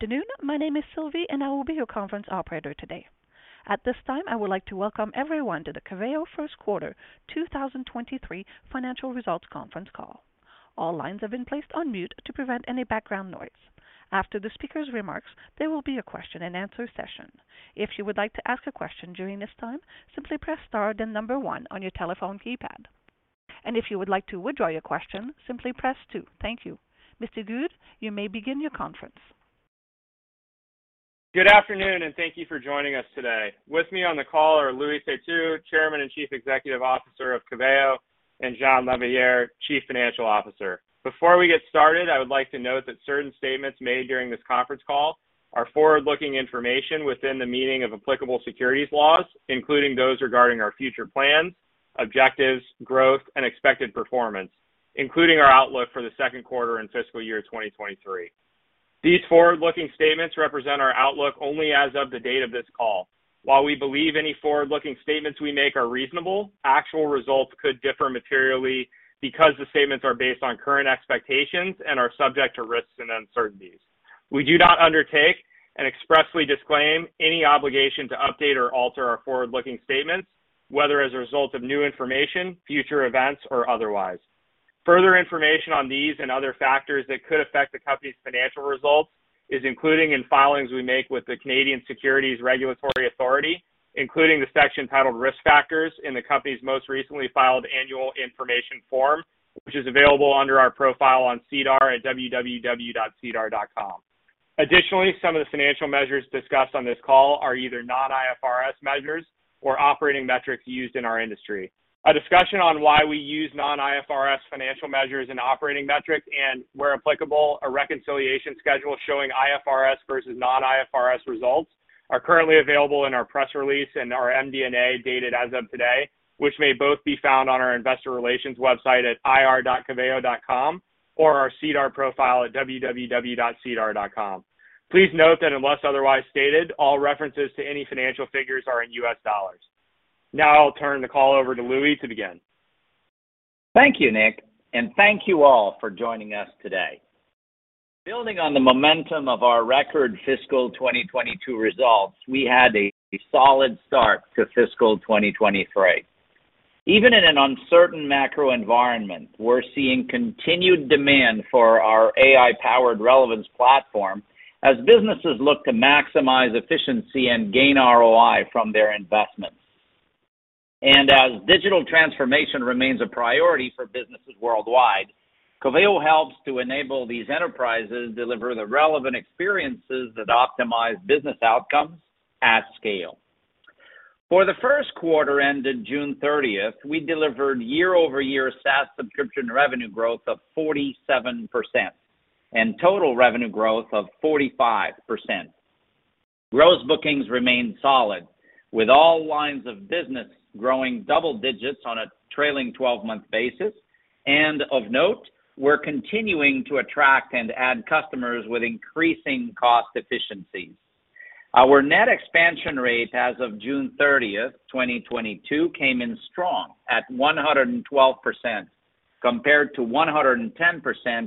Good afternoon. My name is Sylvie, and I will be your conference operator today. At this time, I would like to welcome everyone to the Coveo First Quarter 2023 Financial Results Conference Call. All lines have been placed on mute to prevent any background noise. After the speaker's remarks, there will be a question and answer session. If you would like to ask a question during this time, simply press star then one on your telephone keypad. If you would like to withdraw your question, simply press two. Thank you. Mr. Goode, you may begin your conference. Good afternoon, and thank you for joining us today. With me on the call are Louis Têtu, Chairman and Chief Executive Officer of Coveo, and Jean Lavigueur, Chief Financial Officer. Before we get started, I would like to note that certain statements made during this conference call are forward-looking information within the meaning of applicable securities laws, including those regarding our future plans, objectives, growth, and expected performance, including our outlook for the second quarter and fiscal year 2023. These forward-looking statements represent our outlook only as of the date of this call. While we believe any forward-looking statements we make are reasonable, actual results could differ materially because the statements are based on current expectations and are subject to risks and uncertainties. We do not undertake and expressly disclaim any obligation to update or alter our forward-looking statements, whether as a result of new information, future events, or otherwise. Further information on these and other factors that could affect the company's financial results is included in filings we make with the Canadian Securities Administrators, including the section titled Risk Factors in the company's most recently filed annual information form, which is available under our profile on SEDAR at www.sedar.com. Additionally, some of the financial measures discussed on this call are either non-IFRS measures or operating metrics used in our industry. A discussion on why we use non-IFRS financial measures and operating metrics, and where applicable, a reconciliation schedule showing IFRS versus non-IFRS results, are currently available in our press release and our MD&A dated as of today, which may both be found on our investor relations website at ir.coveo.com or our SEDAR profile at www.sedar.com. Please note that unless otherwise stated, all references to any financial figures are in US dollars. Now I'll turn the call over to Louis to begin. Thank you, Nick, and thank you all for joining us today. Building on the momentum of our record fiscal 2022 results, we had a solid start to fiscal 2023. Even in an uncertain macro environment, we're seeing continued demand for our AI-powered relevance platform as businesses look to maximize efficiency and gain ROI from their investments. As digital transformation remains a priority for businesses worldwide, Coveo helps to enable these enterprises to deliver the relevant experiences that optimize business outcomes at scale. For the first quarter ended June 30, we delivered year-over-year SaaS subscription revenue growth of 47% and total revenue growth of 45%. Gross bookings remained solid, with all lines of business growing double digits on a trailing 12-month basis. Of note, we're continuing to attract and add customers with increasing cost efficiencies. Our net expansion rate as of June 30, 2022, came in strong at 112% compared to 110%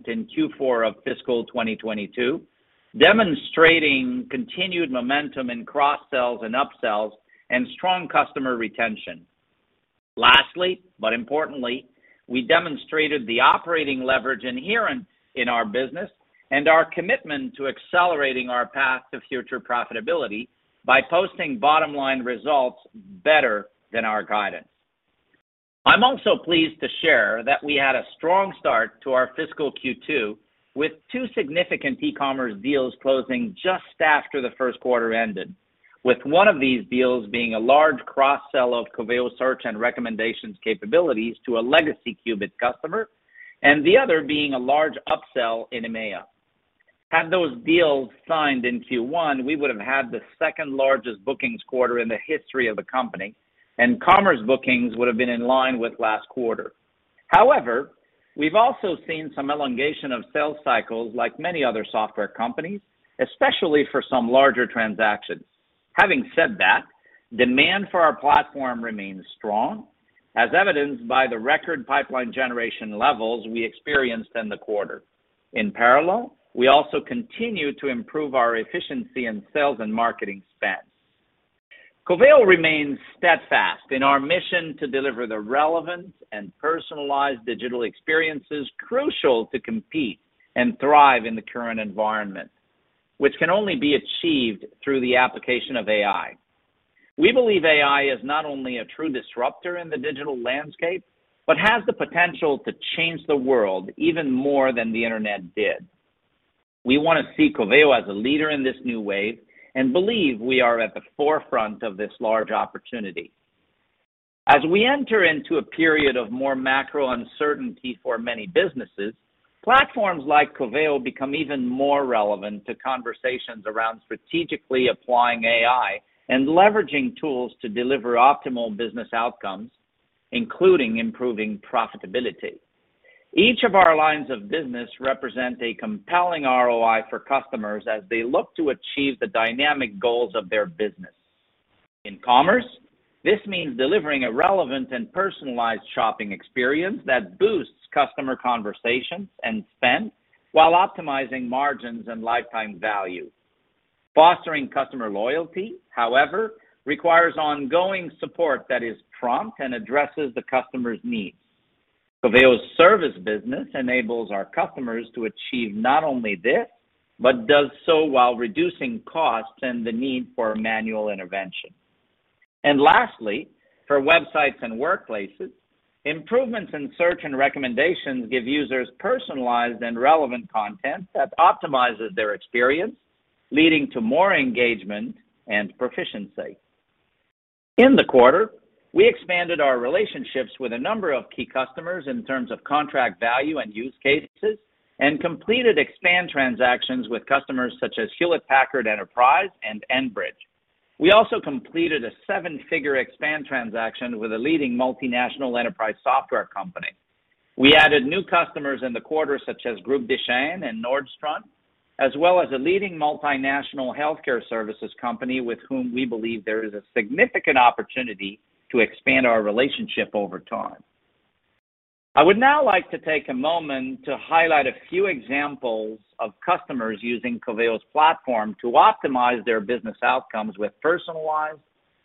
in Q4 of fiscal 2022, demonstrating continued momentum in cross-sells and up-sells and strong customer retention. Lastly, but importantly, we demonstrated the operating leverage inherent in our business and our commitment to accelerating our path to future profitability by posting bottom-line results better than our guidance. I'm also pleased to share that we had a strong start to our fiscal Q2 with two significant e-commerce deals closing just after the first quarter ended, with one of these deals being a large cross-sell of Coveo Search and Recommendations capabilities to a legacy Qubit customer, and the other being a large upsell in EMEA. Had those deals signed in Q1, we would have had the second largest bookings quarter in the history of the company, and commerce bookings would have been in line with last quarter. However, we've also seen some elongation of sales cycles like many other software companies, especially for some larger transactions. Having said that, demand for our platform remains strong, as evidenced by the record pipeline generation levels we experienced in the quarter. In parallel, we also continue to improve our efficiency in sales and marketing spends. Coveo remains steadfast in our mission to deliver the relevance and personalized digital experiences crucial to compete and thrive in the current environment, which can only be achieved through the application of AI. We believe AI is not only a true disruptor in the digital landscape, but has the potential to change the world even more than the Internet did. We wanna see Coveo as a leader in this new wave and believe we are at the forefront of this large opportunity. As we enter into a period of more macro uncertainty for many businesses, platforms like Coveo become even more relevant to conversations around strategically applying AI and leveraging tools to deliver optimal business outcomes, including improving profitability. Each of our lines of business represent a compelling ROI for customers as they look to achieve the dynamic goals of their business. In commerce, this means delivering a relevant and personalized shopping experience that boosts customer conversations and spend while optimizing margins and lifetime value. Fostering customer loyalty, however, requires ongoing support that is prompt and addresses the customer's needs. Coveo's service business enables our customers to achieve not only this, but does so while reducing costs and the need for manual intervention. Lastly, for websites and workplaces, improvements in search and recommendations give users personalized and relevant content that optimizes their experience, leading to more engagement and proficiency. In the quarter, we expanded our relationships with a number of key customers in terms of contract value and use cases, and completed expand transactions with customers such as Hewlett Packard Enterprise and Enbridge. We also completed a seven-figure expand transaction with a leading multinational enterprise software company. We added new customers in the quarter such as Desjardins Group and Nordstrom, as well as a leading multinational healthcare services company with whom we believe there is a significant opportunity to expand our relationship over time. I would now like to take a moment to highlight a few examples of customers using Coveo's platform to optimize their business outcomes with personalized,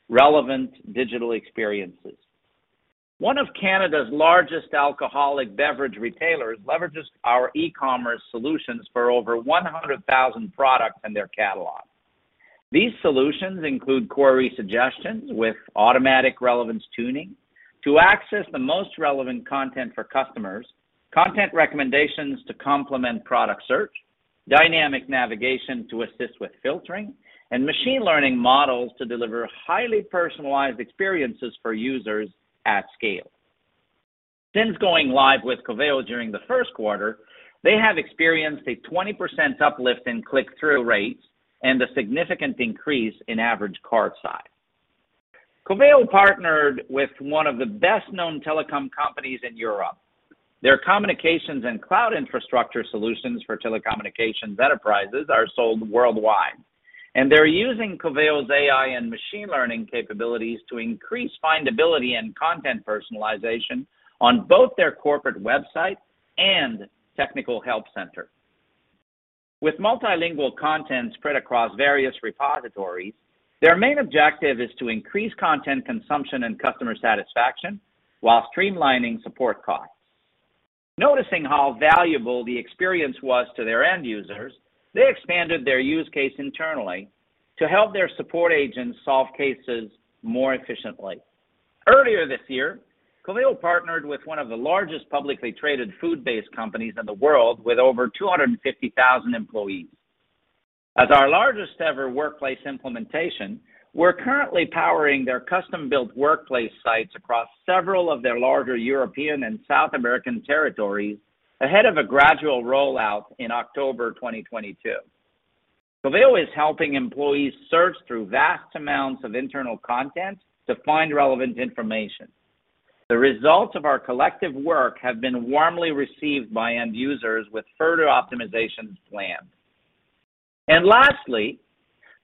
relevant digital experiences. One of Canada's largest alcoholic beverage retailers leverages our e-commerce solutions for over 100,000 products in their catalog. These solutions include query suggestions with automatic relevance tuning. To access the most relevant content for customers, content recommendations to complement product search, dynamic navigation to assist with filtering, and machine learning models to deliver highly personalized experiences for users at scale. Since going live with Coveo during the first quarter, they have experienced a 20% uplift in click-through rates and a significant increase in average cart size. Coveo partnered with one of the best-known telecom companies in Europe. Their communications and cloud infrastructure solutions for telecommunications enterprises are sold worldwide, and they're using Coveo's AI and machine learning capabilities to increase findability and content personalization on both their corporate website and technical help center. With multilingual content spread across various repositories, their main objective is to increase content consumption and customer satisfaction while streamlining support costs. Noticing how valuable the experience was to their end users, they expanded their use case internally to help their support agents solve cases more efficiently. Earlier this year, Coveo partnered with one of the largest publicly traded food-based companies in the world with over 250,000 employees. As our largest ever workplace implementation, we're currently powering their custom-built workplace sites across several of their larger European and South American territories ahead of a gradual rollout in October 2022. Coveo is helping employees search through vast amounts of internal content to find relevant information. The results of our collective work have been warmly received by end users with further optimizations planned. Lastly,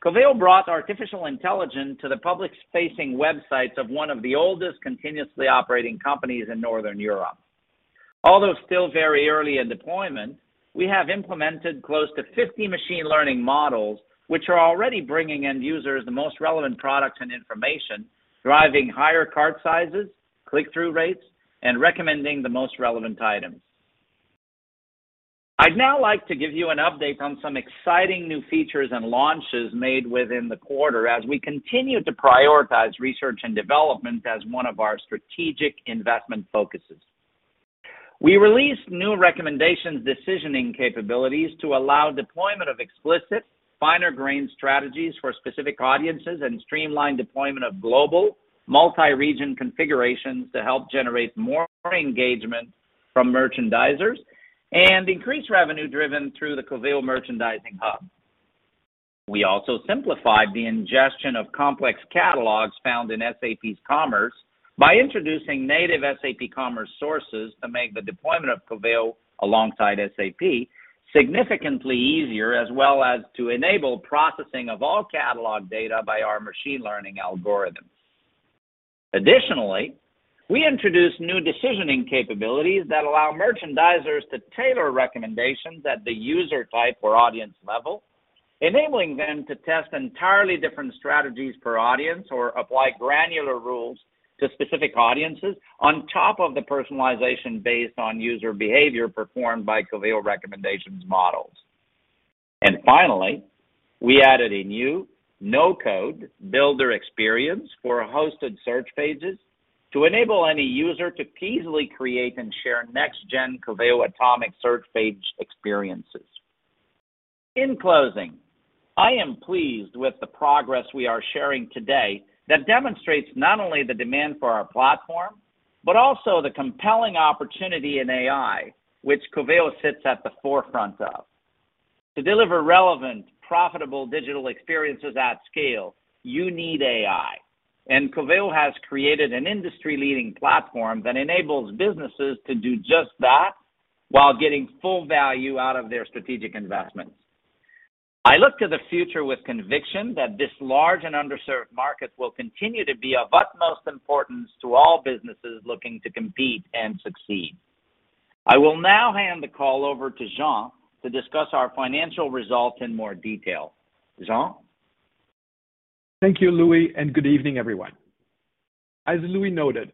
Coveo brought artificial intelligence to the public-facing websites of one of the oldest continuously operating companies in Northern Europe. Although still very early in deployment, we have implemented close to 50 machine learning models, which are already bringing end users the most relevant products and information, driving higher cart sizes, click-through rates, and recommending the most relevant items. I'd now like to give you an update on some exciting new features and launches made within the quarter as we continue to prioritize research and development as one of our strategic investment focuses. We released new recommendations decisioning capabilities to allow deployment of explicit, finer grain strategies for specific audiences and streamlined deployment of global multi-region configurations to help generate more engagement from merchandisers and increase revenue driven through the Coveo Merchandising Hub. We also simplified the ingestion of complex catalogs found in SAP's Commerce by introducing native SAP Commerce sources to make the deployment of Coveo alongside SAP significantly easier, as well as to enable processing of all catalog data by our machine learning algorithms. Additionally, we introduced new decisioning capabilities that allow merchandisers to tailor recommendations at the user type or audience level, enabling them to test entirely different strategies per audience or apply granular rules to specific audiences on top of the personalization based on user behavior performed by Coveo recommendations models. Finally, we added a new no-code builder experience for hosted search pages to enable any user to easily create and share next-gen Coveo Atomic Search page experiences. In closing, I am pleased with the progress we are sharing today that demonstrates not only the demand for our platform, but also the compelling opportunity in AI, which Coveo sits at the forefront of. To deliver relevant, profitable digital experiences at scale, you need AI, and Coveo has created an industry-leading platform that enables businesses to do just that. While getting full value out of their strategic investments. I look to the future with conviction that this large and underserved market will continue to be of utmost importance to all businesses looking to compete and succeed. I will now hand the call over to Jean to discuss our financial results in more detail. Jean? Thank you, Louis, and good evening, everyone. As Louis noted,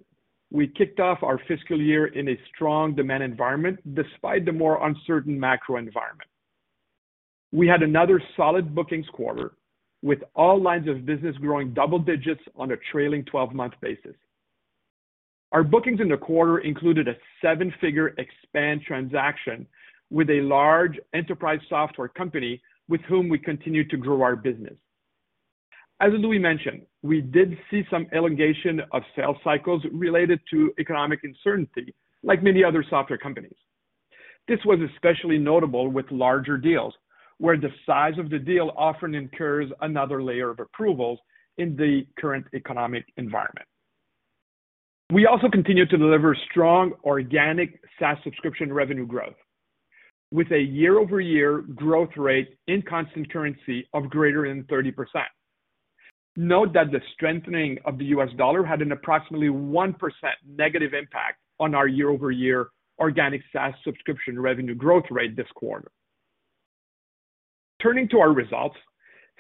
we kicked off our fiscal year in a strong demand environment despite the more uncertain macro environment. We had another solid bookings quarter, with all lines of business growing double digits on a trailing twelve-month basis. Our bookings in the quarter included a seven-figure expand transaction with a large enterprise software company with whom we continue to grow our business. As Louis mentioned, we did see some elongation of sales cycles related to economic uncertainty like many other software companies. This was especially notable with larger deals, where the size of the deal often incurs another layer of approvals in the current economic environment. We also continue to deliver strong organic SaaS subscription revenue growth with a year-over-year growth rate in constant currency of greater than 30%. Note that the strengthening of the US dollar had an approximately 1% negative impact on our year-over-year organic SaaS subscription revenue growth rate this quarter. Turning to our results.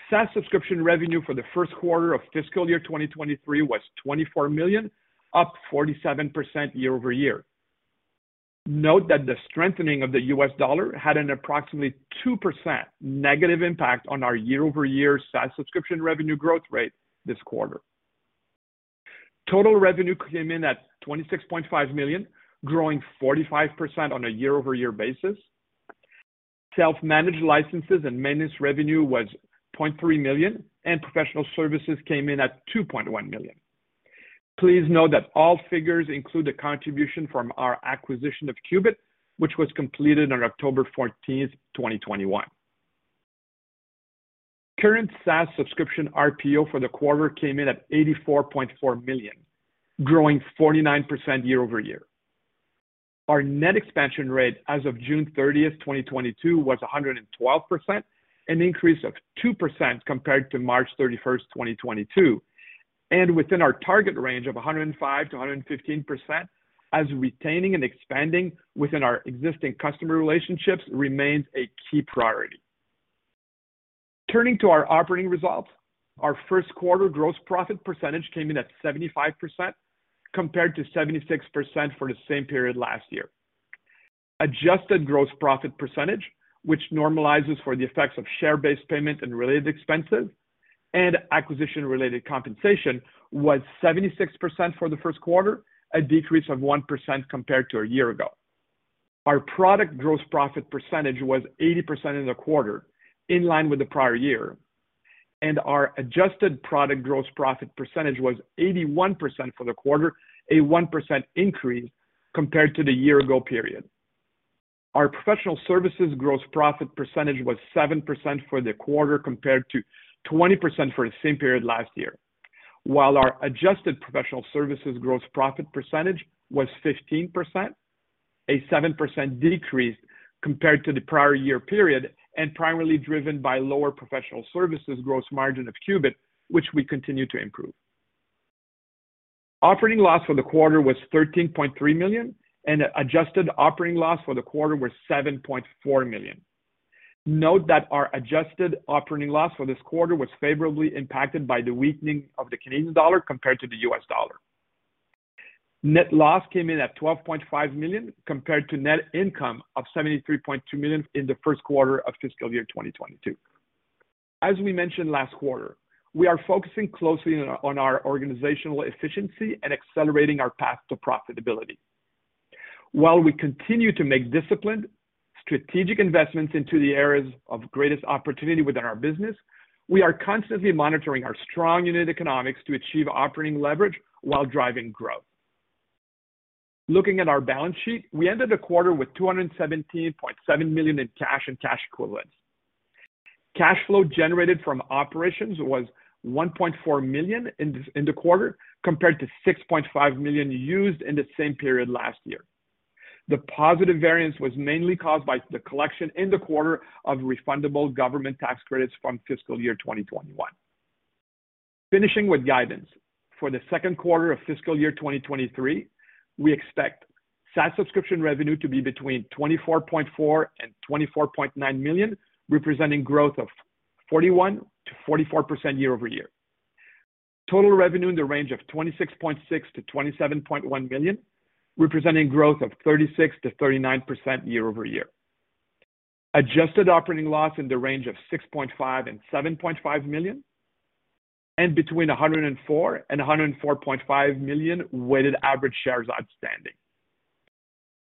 SaaS subscription revenue for the first quarter of fiscal year 2023 was $24 million, up 47% year-over-year. Note that the strengthening of the US dollar had an approximately 2% negative impact on our year-over-year SaaS subscription revenue growth rate this quarter. Total revenue came in at $26.5 million, growing 45% on a year-over-year basis. Self-managed licenses and maintenance revenue was $0.3 million, and professional services came in at $2.1 million. Please note that all figures include the contribution from our acquisition of Qubit, which was completed on October fourteenth, 2021. Current SaaS subscription RPO for the quarter came in at $84.4 million, growing 49% year-over-year. Our net expansion rate as of June 30, 2022 was 112%, an increase of 2% compared to March 31, 2022, and within our target range of 105-115% as retaining and expanding within our existing customer relationships remains a key priority. Turning to our operating results, our first quarter gross profit percentage came in at 75%, compared to 76% for the same period last year. Adjusted gross profit percentage, which normalizes for the effects of share-based payment and related expenses and acquisition-related compensation, was 76% for the first quarter, a decrease of 1% compared to a year ago. Our product gross profit percentage was 80% in the quarter, in line with the prior year, and our adjusted product gross profit percentage was 81% for the quarter, a 1% increase compared to the year ago period. Our professional services gross profit percentage was 7% for the quarter, compared to 20% for the same period last year. While our adjusted professional services gross profit percentage was 15%, a 7% decrease compared to the prior year period and primarily driven by lower professional services gross margin of Qubit, which we continue to improve. Operating loss for the quarter was $13.3 million, and adjusted operating loss for the quarter was $7.4 million. Note that our adjusted operating loss for this quarter was favorably impacted by the weakening of the Canadian dollar compared to the U.S. dollar. Net loss came in at $12.5 million, compared to net income of $73.2 million in the first quarter of fiscal year 2022. As we mentioned last quarter, we are focusing closely on our organizational efficiency and accelerating our path to profitability. While we continue to make disciplined strategic investments into the areas of greatest opportunity within our business, we are constantly monitoring our strong unit economics to achieve operating leverage while driving growth. Looking at our balance sheet, we ended the quarter with $217.7 million in cash and cash equivalents. Cash flow generated from operations was $1.4 million in the quarter compared to $6.5 million used in the same period last year. The positive variance was mainly caused by the collection in the quarter of refundable government tax credits from fiscal year 2021. Finishing with guidance. For the second quarter of fiscal year 2023, we expect SaaS subscription revenue to be between $24.4 million and $24.9 million, representing growth of 41-44% year-over-year. Total revenue in the range of $26.6 million-27.1 million, representing growth of 36-39% year-over-year. Adjusted operating loss in the range of $6.5-7.5 million, and between 104 and 104.5 million weighted average shares outstanding.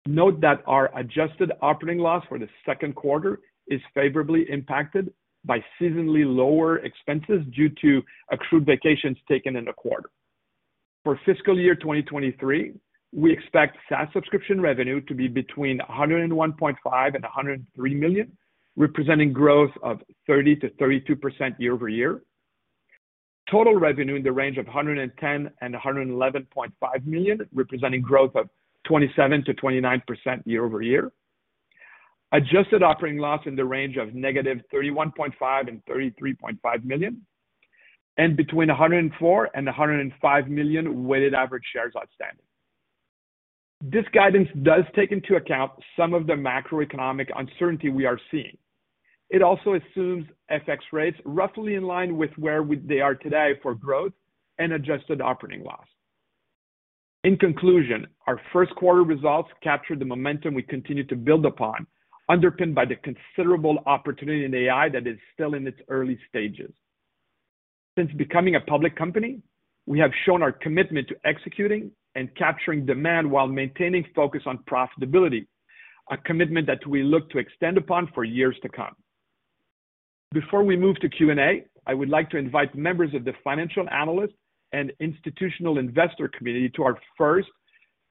Note that our adjusted operating loss for the second quarter is favorably impacted by seasonally lower expenses due to accrued vacations taken in the quarter. For fiscal year 2023, we expect SaaS subscription revenue to be between $101.5 million and $103 million, representing growth of 30-32% year-over-year. Total revenue in the range of $110 million-111.5 million, representing growth of 27-29% year-over-year. Adjusted operating loss in the range of negative $31.5 million-33.5 million. Between 104 million and 105 million weighted average shares outstanding. This guidance does take into account some of the macroeconomic uncertainty we are seeing. It also assumes FX rates roughly in line with where they are today for growth and adjusted operating loss. In conclusion, our first quarter results captured the momentum we continue to build upon, underpinned by the considerable opportunity in AI that is still in its early stages. Since becoming a public company, we have shown our commitment to executing and capturing demand while maintaining focus on profitability, a commitment that we look to extend upon for years to come. Before we move to Q&A, I would like to invite members of the financial analyst and institutional investor community to our first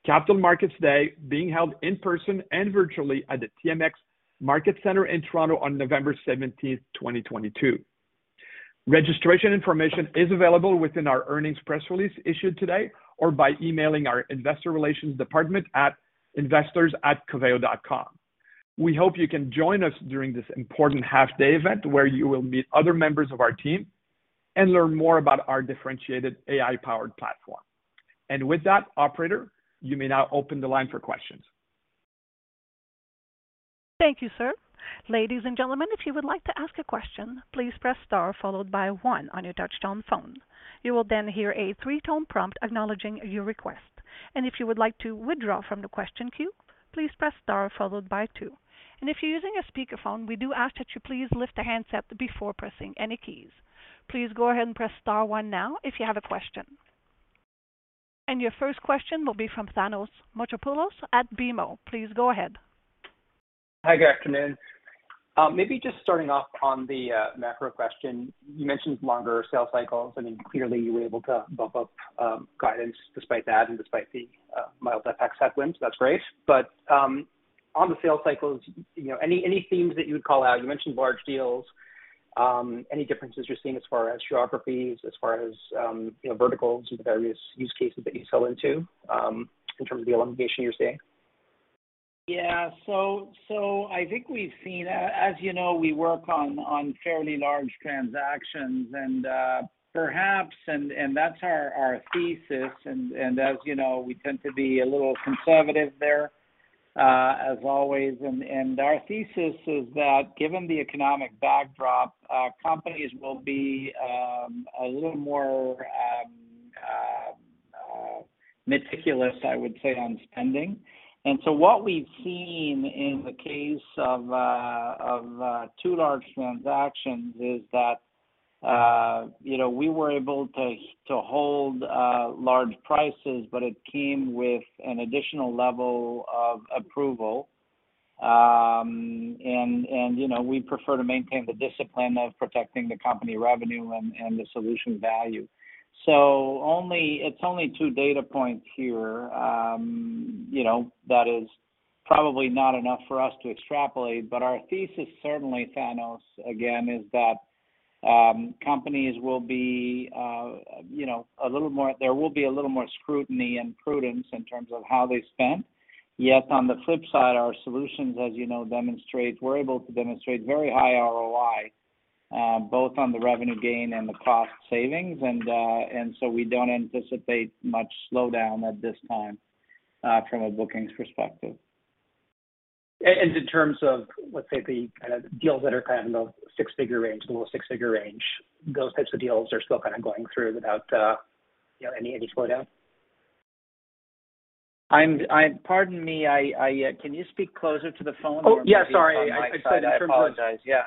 Capital Markets Day, being held in person and virtually at the TMX Market Centre in Toronto on November 17, 2022. Registration information is available within our earnings press release issued today or by emailing our investor relations department at investors@coveo.com. We hope you can join us during this important half-day event, where you will meet other members of our team and learn more about our differentiated AI-powered platform. With that, operator, you may now open the line for questions. Thank you, sir. Ladies and gentlemen, if you would like to ask a question, please press star followed by one on your touchtone phone. You will then hear a three-tone prompt acknowledging your request. If you would like to withdraw from the question queue, please press star followed by two. If you're using a speakerphone, we do ask that you please lift the handset before pressing any keys. Please go ahead and press star one now if you have a question. Your first question will be from Thanos Moschopoulos at BMO. Please go ahead. Hi, good afternoon. Maybe just starting off on the macro question. You mentioned longer sales cycles. I mean, clearly you were able to bump up guidance despite that and despite the mild FX headwinds. That's great. On the sales cycles, you know, any themes that you would call out? You mentioned large deals. Any differences you're seeing as far as geographies, as far as you know, verticals or the various use cases that you sell into in terms of the elongation you're seeing? Yeah. I think we've seen. As you know, we work on fairly large transactions and perhaps that's our thesis. As you know, we tend to be a little conservative there, as always. Our thesis is that given the economic backdrop, companies will be a little more meticulous, I would say, on spending. What we've seen in the case of two large transactions is that, you know, we were able to to hold large prices, but it came with an additional level of approval. You know, we prefer to maintain the discipline of protecting the company revenue and the solution value. It's only two data points here. You know, that is probably not enough for us to extrapolate. Our thesis certainly, Thanos, again, is that there will be a little more scrutiny and prudence in terms of how they spend. Yet on the flip side, our solutions, as you know, we're able to demonstrate very high ROI both on the revenue gain and the cost savings. We don't anticipate much slowdown at this time from a bookings perspective. In terms of, let's say, the kind of deals that are kind of in the six-figure range, the low six-figure range, those types of deals are still kind of going through without, you know, any slowdown? Pardon me. Can you speak closer to the phone or maybe on my side? Oh, yeah, sorry. I said it from- I apologize. Yeah.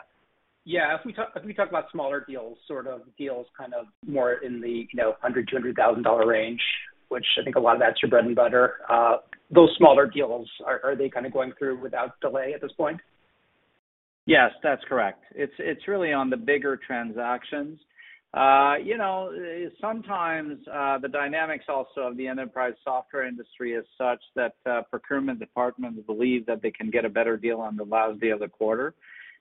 Yeah. If we talk about smaller deals, sort of deals kind of more in the, you know, $100,000-200,000 range, which I think a lot of that's your bread and butter, those smaller deals, are they kinda going through without delay at this point? Yes, that's correct. It's really on the bigger transactions. You know, sometimes, the dynamics also of the enterprise software industry is such that, procurement departments believe that they can get a better deal on the last day of the quarter.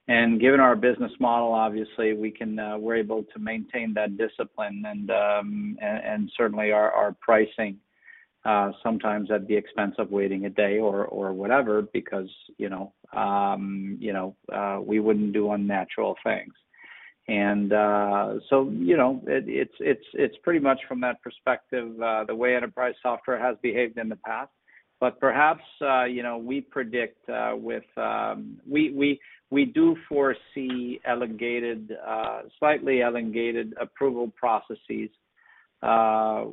Given our business model, obviously, we're able to maintain that discipline and certainly our pricing, sometimes at the expense of waiting a day or whatever because, you know, we wouldn't do unnatural things. You know, it's pretty much from that perspective, the way enterprise software has behaved in the past. Perhaps, you know, we do foresee slightly elongated approval processes,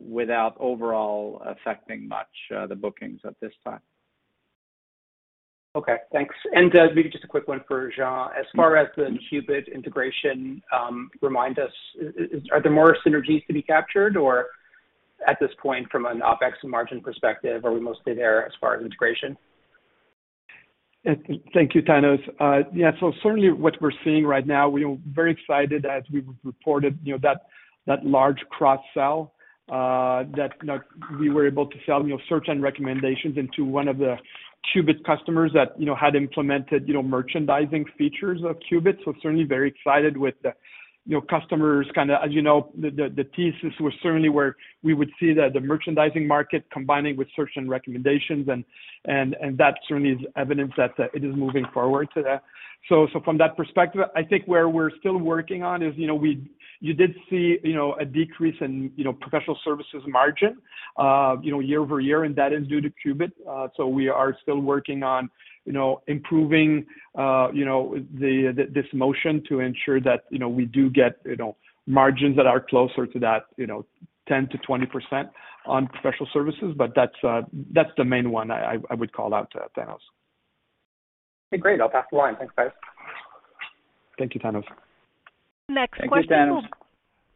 without overall affecting much the bookings at this time. Okay, thanks. Maybe just a quick one for Jean. As far as the Qubit integration, remind us, are there more synergies to be captured? Or at this point, from an OpEx and margin perspective, are we mostly there as far as integration? Thank you, Thanos. Yeah, certainly what we're seeing right now, we are very excited as we've reported, you know, that large cross-sell that you know we were able to sell, you know, Search and Recommendations into one of the Qubit customers that, you know, had implemented, you know, merchandising features of Qubit. Certainly very excited with the, you know, customers kinda. As you know, the thesis was certainly where we would see the merchandising market combining with search and recommendations and that certainly is evidence that it is moving forward to that. From that perspective, I think where we're still working on is, you know, you did see, you know, a decrease in, you know, professional services margin, you know, year-over-year, and that is due to Qubit. We are still working on, you know, improving, you know, this motion to ensure that, you know, we do get, you know, margins that are closer to that, you know, 10-20% on professional services. That's the main one I would call out, Thanos. Okay, great. I'll pass the line. Thanks, guys. Thank you, Thanos. Thank you, Thanos.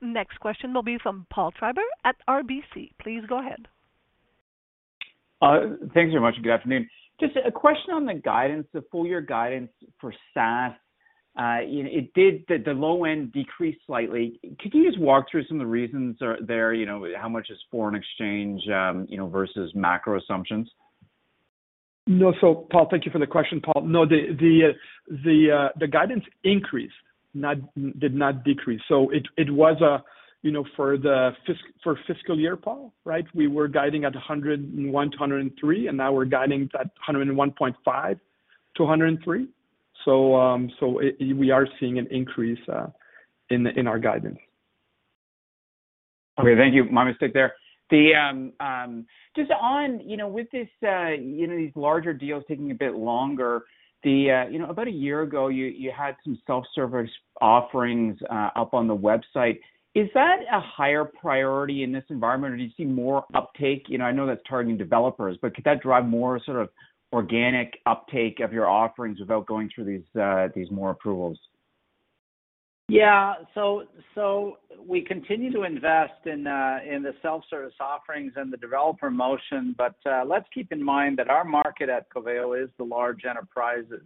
Next question will be from Paul Treiber at RBC. Please go ahead. Thank you very much. Good afternoon. Just a question on the guidance, the full year guidance for SaaS. The low end decreased slightly. Could you just walk through some of the reasons there, you know, how much is foreign exchange versus macro assumptions? No, Paul, thank you for the question, Paul. No, the guidance increased, did not decrease. It was for the fiscal year, Paul, right? We were guiding at $101-103, and now we're guiding at $101.5-103. We are seeing an increase in our guidance. Okay. Thank you. My mistake there. Just on, you know, with this, you know, these larger deals taking a bit longer, you know, about a year ago, you had some self-service offerings up on the website. Is that a higher priority in this environment, or do you see more uptake? You know, I know that's targeting developers, but could that drive more sort of organic uptake of your offerings without going through these more approvals? Yeah. We continue to invest in the self-service offerings and the developer motion, but let's keep in mind that our market at Coveo is the large enterprises.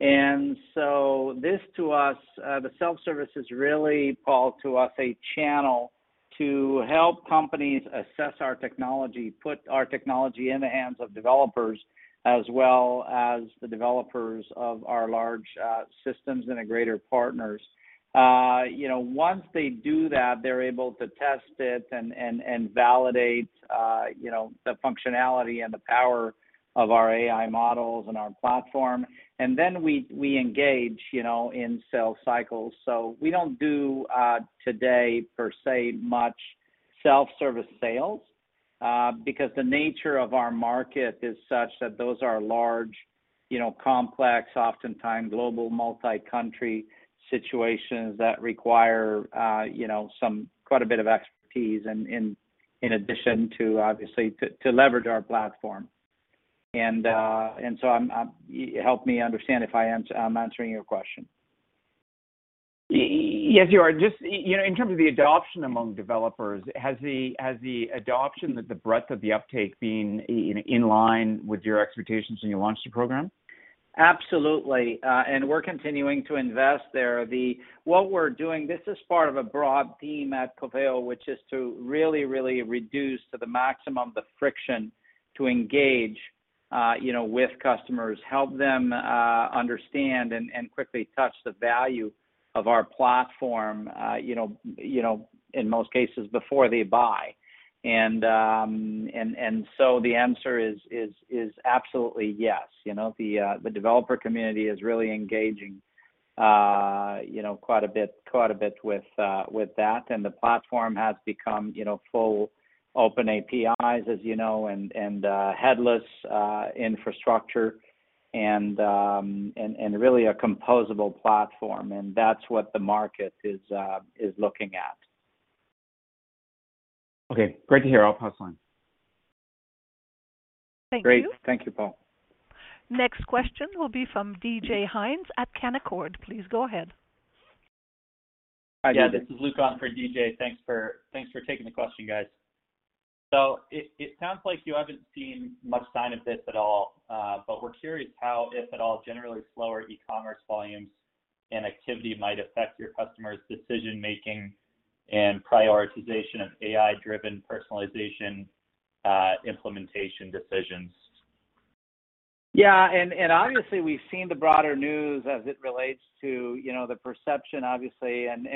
This, to us, the self-service is really, Paul, to us a channel to help companies assess our technology, put our technology in the hands of developers, as well as the developers of our large systems integrator partners. You know, once they do that, they're able to test it and validate the functionality and the power of our AI models and our platform, and then we engage in sales cycles. We don't do today per se much self-service sales because the nature of our market is such that those are large, you know, complex, oftentimes global multi-country situations that require, you know, quite a bit of expertise in addition to obviously to leverage our platform. Help me understand if I'm answering your question. Yes, you are. Just, you know, in terms of the adoption among developers, has the adoption, the breadth of the uptake been in line with your expectations when you launched the program? Absolutely. We're continuing to invest there. What we're doing, this is part of a broad theme at Coveo, which is to really reduce to the maximum the friction to engage, you know, with customers, help them, understand and quickly touch the value of our platform, you know, in most cases before they buy. The answer is absolutely yes. You know, the developer community is really engaging, you know, quite a bit with that. The platform has become, you know, full Open APIs, as you know, and headless infrastructure and really a composable platform, and that's what the market is looking at. Okay. Great to hear. I'll pass the line. Thank you. Great. Thank you, Paul. Next question will be from DJ Hynes at Canaccord. Please go ahead. Hi, DJ. Yeah, this is Luke on for DJ. Thanks for taking the question, guys. It sounds like you haven't seen much sign of this at all, but we're curious how, if at all, generally slower e-commerce volumes and activity might affect your customers' decision-making and prioritization of AI-driven personalization implementation decisions. Obviously, we've seen the broader news as it relates to, you know, the perception obviously and,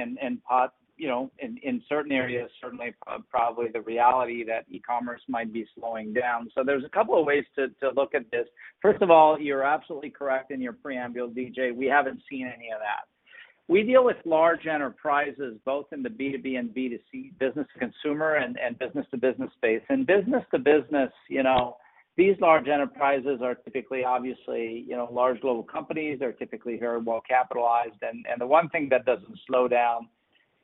you know, in certain areas, certainly probably the reality that e-commerce might be slowing down. There's a couple of ways to look at this. First of all, you're absolutely correct in your preamble, DJ. We haven't seen any of that. We deal with large enterprises both in the B2B and B2C, business to consumer and business to business space. Business to business, you know, these large enterprises are typically, obviously, you know, large global companies. They're typically very well capitalized. The one thing that doesn't slow down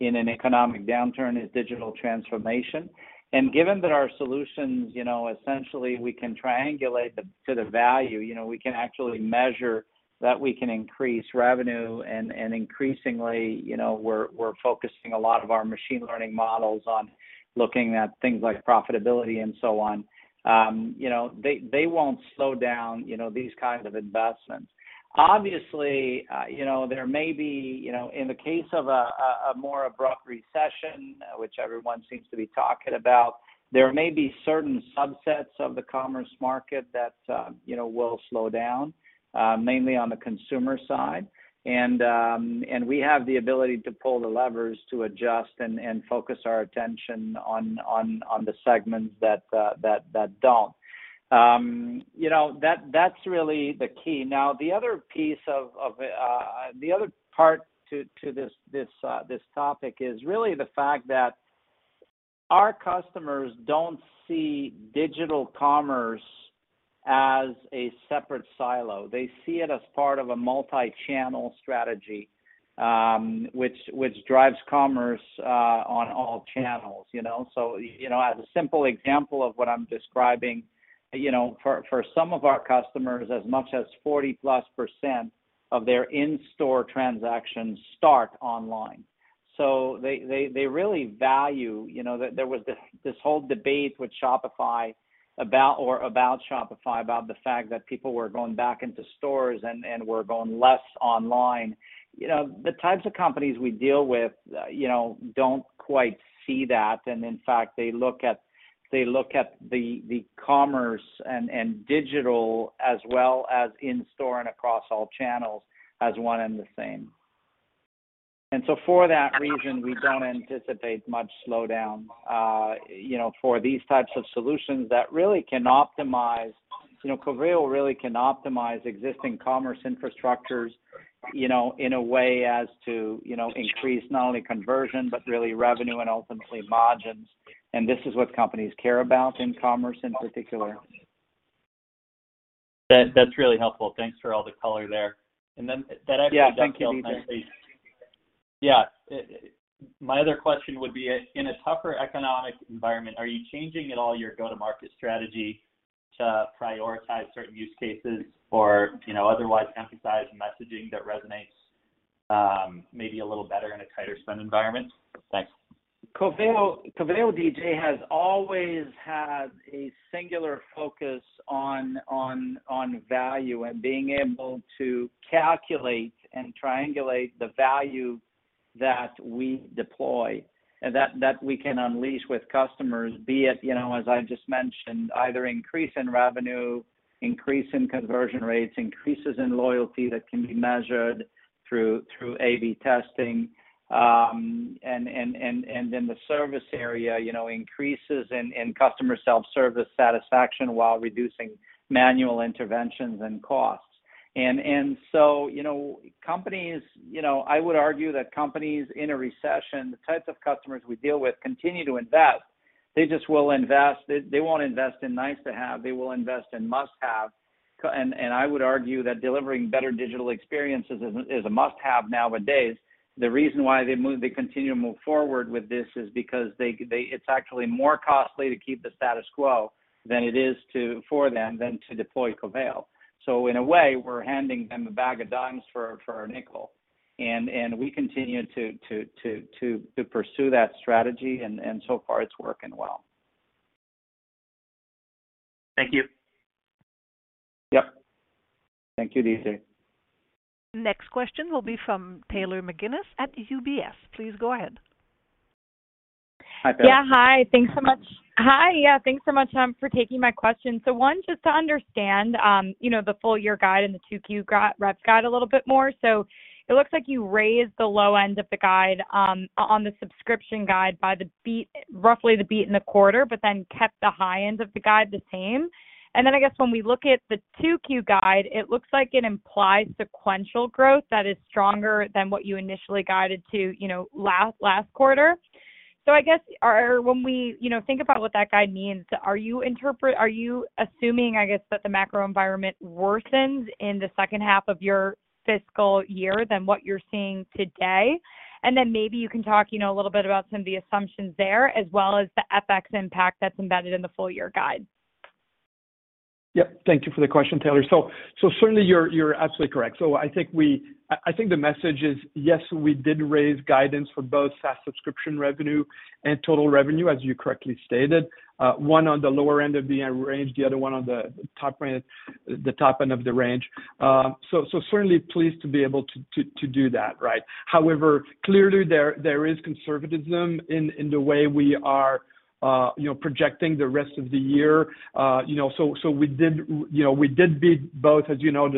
in an economic downturn is digital transformation. Given that our solutions, you know, essentially we can triangulate to the value, you know, we can actually measure that we can increase revenue, and increasingly, you know, we're focusing a lot of our machine learning models on looking at things like profitability and so on. You know, they won't slow down, you know, these kinds of investments. Obviously, you know, there may be, you know, in the case of a more abrupt recession, which everyone seems to be talking about, there may be certain subsets of the commerce market that, you know, will slow down, mainly on the consumer side. And we have the ability to pull the levers to adjust and focus our attention on the segments that don't. You know, that's really the key. Now, the other part to this topic is really the fact that our customers don't see digital commerce as a separate silo. They see it as part of a multi-channel strategy, which drives commerce on all channels, you know? You know, as a simple example of what I'm describing, you know, for some of our customers, as much as 40%+ of their in-store transactions start online. They really value, you know. There was this whole debate about Shopify about the fact that people were going back into stores and were going less online. You know, the types of companies we deal with, you know, don't quite see that. In fact, they look at the commerce and digital as well as in-store and across all channels as one and the same. For that reason, we don't anticipate much slowdown, you know, for these types of solutions that really can optimize, you know, Coveo really can optimize existing commerce infrastructures, you know, in a way as to, you know, increase not only conversion, but really revenue and ultimately margins. This is what companies care about in commerce, in particular. That's really helpful. Thanks for all the color there. That actually- Yeah. Thank you, DJ. Yeah. My other question would be, in a tougher economic environment, are you changing at all your go-to-market strategy to prioritize certain use cases or, you know, otherwise emphasize messaging that resonates, maybe a little better in a tighter spend environment? Thanks. Coveo, DJ, has always had a singular focus on value and being able to calculate and triangulate the value that we deploy and that we can unleash with customers, be it, you know, as I just mentioned, either increase in revenue, increase in conversion rates, increases in loyalty that can be measured through A/B testing. The service area, you know, increases in customer self-service satisfaction while reducing manual interventions and costs. Companies, you know, I would argue that companies in a recession, the types of customers we deal with continue to invest. They won't invest in nice to have, they will invest in must-have. I would argue that delivering better digital experiences is a must-have nowadays. The reason why they continue to move forward with this is because it's actually more costly to keep the status quo than it is for them to deploy Coveo. In a way, we're handing them a bag of dimes for a nickel. We continue to pursue that strategy. So far it's working well. Thank you. Yep. Thank you, DJ. Next question will be from Taylor McGinnis at UBS. Please go ahead. Hi, Taylor. Hi. Thanks so much for taking my question. Just to understand the full year guide and the 2Q guide a little bit more. It looks like you raised the low end of the guide on the subscription guide by the beat, roughly the beat in the quarter, but then kept the high end of the guide the same. When we look at the 2Q guide, it looks like an implied sequential growth that is stronger than what you initially guided to last quarter. When we think about what that guide means, are you assuming, I guess, that the macro environment worsens in the second half of your fiscal year than what you are seeing today? Maybe you can talk, you know, a little bit about some of the assumptions there as well as the FX impact that's embedded in the full-year guide. Yep. Thank you for the question, Taylor. Certainly you're absolutely correct. I think the message is, yes, we did raise guidance for both SaaS subscription revenue and total revenue, as you correctly stated. One on the lower end of the range, the other one on the top end of the range. Certainly pleased to be able to do that, right? However, clearly there is conservatism in the way we are, you know, projecting the rest of the year. You know, we did beat both, as you know,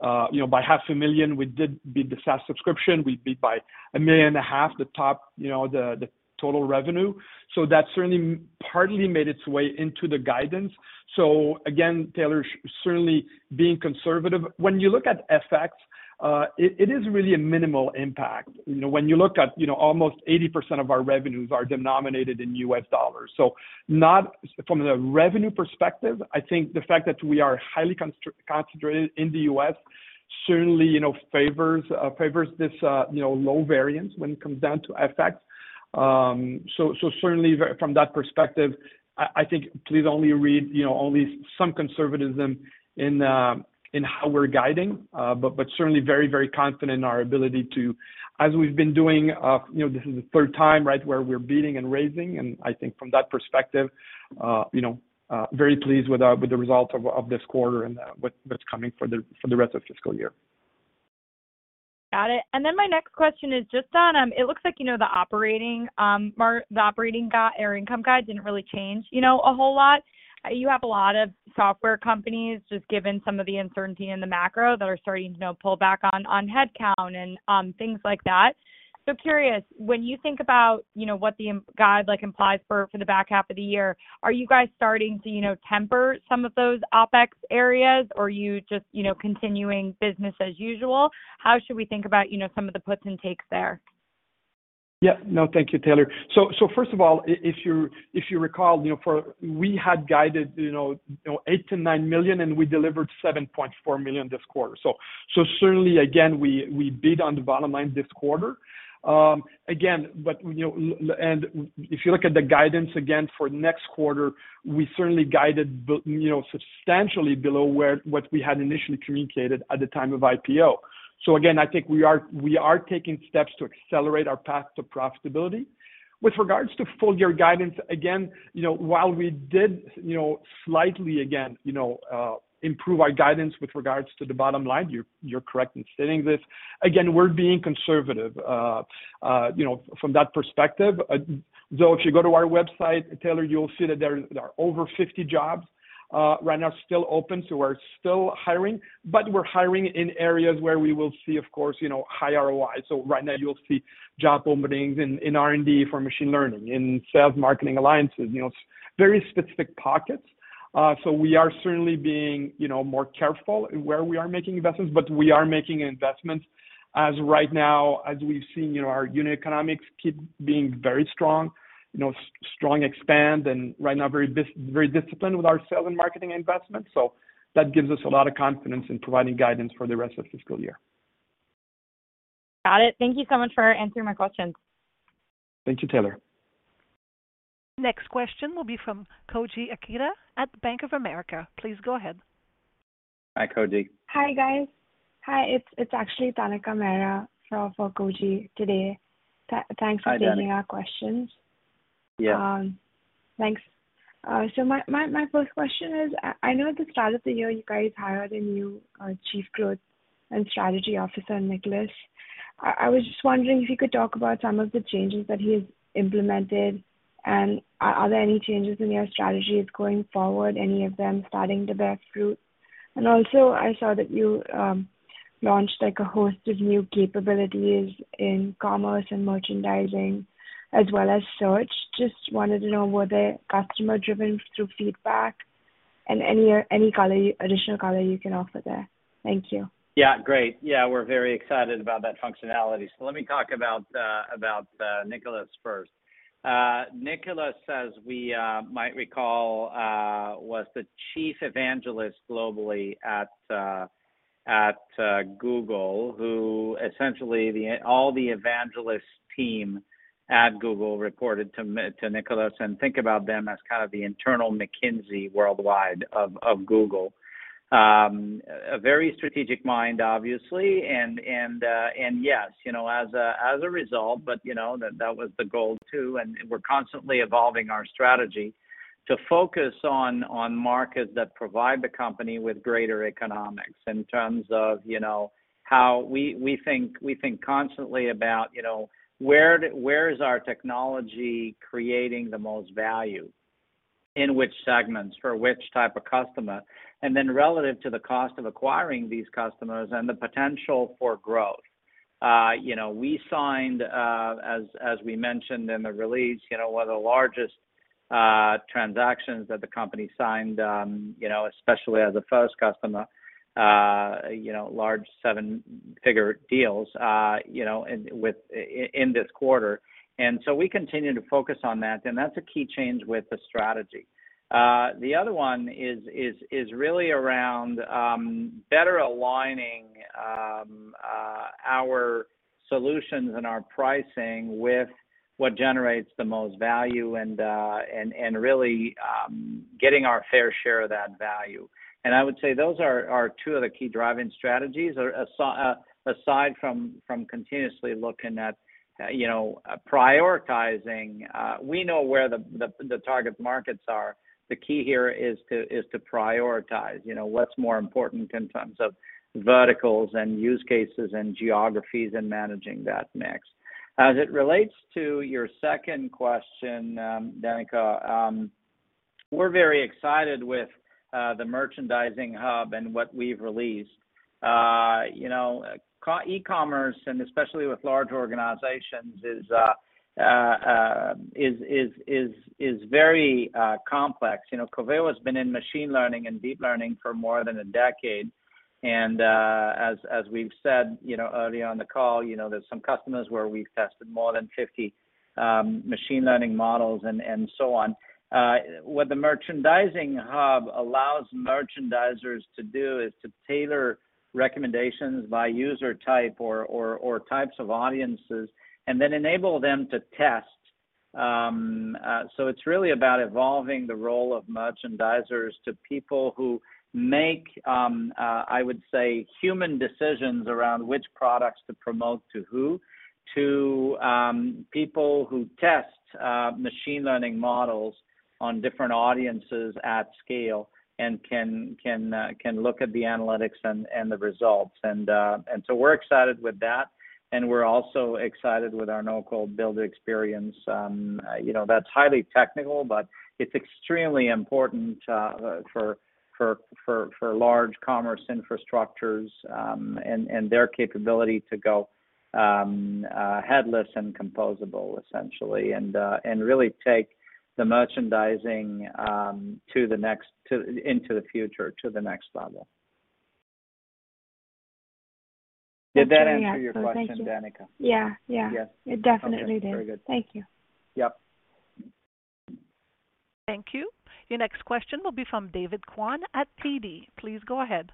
by $0.5 million, we beat the SaaS subscription. We beat by $1.5 million the top, you know, the total revenue. That certainly partly made its way into the guidance. Again, Taylor, certainly being conservative. When you look at FX, it is really a minimal impact. You know, when you look at, you know, almost 80% of our revenues are denominated in US dollars. Not from the revenue perspective. I think the fact that we are highly concentrated in the US certainly, you know, favors this, you know, low variance when it comes down to FX. Certainly from that perspective, I think you'll only read, you know, only some conservatism in how we're guiding. But certainly very confident in our ability to as we've been doing, you know, this is the third time, right, where we're beating and raising. I think from that perspective, you know, very pleased with the results of this quarter and what's coming for the rest of fiscal year. Got it. My next question is just on, it looks like, you know, the operating guide or income guide didn't really change, you know, a whole lot. You have a lot of software companies just given some of the uncertainty in the macro that are starting to, you know, pull back on headcount and things like that. Curious, when you think about, you know, what the in-guide like implies for the back half of the year, are you guys starting to, you know, temper some of those OpEx areas, or are you just, you know, continuing business as usual? How should we think about, you know, some of the puts and takes there? Yeah. No, thank you, Taylor. First of all, if you recall, you know, we had guided, you know, $8 million-9 million, and we delivered $7.4 million this quarter. Certainly again, we beat on the bottom line this quarter. But you know, if you look at the guidance again for next quarter, we certainly guided below, you know, substantially below what we had initially communicated at the time of IPO. Again, I think we are taking steps to accelerate our path to profitability. With regards to full year guidance, again, you know, while we did, you know, slightly improve our guidance with regards to the bottom line, you're correct in stating this. Again, we're being conservative, you know, from that perspective. Though, if you go to our website, Taylor, you'll see that there are over 50 jobs right now still open. We're still hiring, but we're hiring in areas where we will see, of course, you know, high ROI. Right now you'll see job openings in R&D for machine learning, in sales, marketing, alliances, you know, very specific pockets. We are certainly being, you know, more careful where we are making investments, but we are making investments right now, as we've seen, you know, our unit economics keep being very strong. You know, strong expansion and right now, very disciplined with our sales and marketing investments. That gives us a lot of confidence in providing guidance for the rest of the fiscal year. Got it. Thank you so much for answering my questions. Thank you, Taylor. Next question will be from Koji Ikeda at Bank of America. Please go ahead. Hi, Koji. Hi, guys. Hi. It's actually Danika Mera for Koji today. Thanks for- Hi, Danika. taking our questions. Yeah. Thanks. My first question is, I know at the start of the year you guys hired a new Chief Growth and Strategy Officer, Nicolas. I was just wondering if you could talk about some of the changes that he has implemented, and are there any changes in your strategies going forward, any of them starting to bear fruit? Also, I saw that you launched like a host of new capabilities in commerce and merchandising as well as search. Just wanted to know, were they customer driven through feedback and any color, additional color you can offer there? Thank you. Yeah. Great. Yeah. We're very excited about that functionality. Let me talk about Nicolas first. Nicolas, as we might recall, was the chief evangelist globally at Google, who essentially all the evangelist team at Google reported to Nicolas, and think about them as kind of the internal McKinsey worldwide of Google. A very strategic mind, obviously, and yes, you know, as a result, but you know, that was the goal too, and we're constantly evolving our strategy to focus on markets that provide the company with greater economics in terms of, you know, how we think constantly about, you know, where is our technology creating the most value, in which segments for which type of customer. Relative to the cost of acquiring these customers and the potential for growth. You know, we signed, as we mentioned in the release, you know, one of the largest transactions that the company signed, you know, especially as a first customer, you know, large seven-figure deals, you know, within this quarter. We continue to focus on that, and that's a key change with the strategy. The other one is really around better aligning our solutions and our pricing with what generates the most value and really getting our fair share of that value. I would say those are two of the key driving strategies. Aside from continuously looking at, you know, prioritizing, we know where the target markets are. The key here is to prioritize, you know, what's more important in terms of verticals and use cases and geographies and managing that mix. As it relates to your second question, Danika, we're very excited with the Merchandising Hub and what we've released. You know, e-commerce, and especially with large organizations is very complex. You know, Coveo has been in machine learning and deep learning for more than a decade. As we've said, you know, earlier on the call, you know, there's some customers where we've tested more than 50 machine learning models and so on. What the Merchandising Hub allows merchandisers to do is to tailor recommendations by user type or types of audiences and then enable them to test. It's really about evolving the role of merchandisers to people who make, I would say, human decisions around which products to promote to who, to people who test machine learning models on different audiences at scale and can look at the analytics and the results. We're excited with that, and we're also excited with our no-code builder experience. You know, that's highly technical, but it's extremely important for large commerce infrastructures and their capability to go headless and composable essentially, and really take the merchandising into the future, to the next level. Did that answer your question, Danica? Yeah. Yeah. Yes. It definitely did. Okay. Very good. Thank you. Yep. Thank you. Your next question will be from David Kwan at TD. Please go ahead.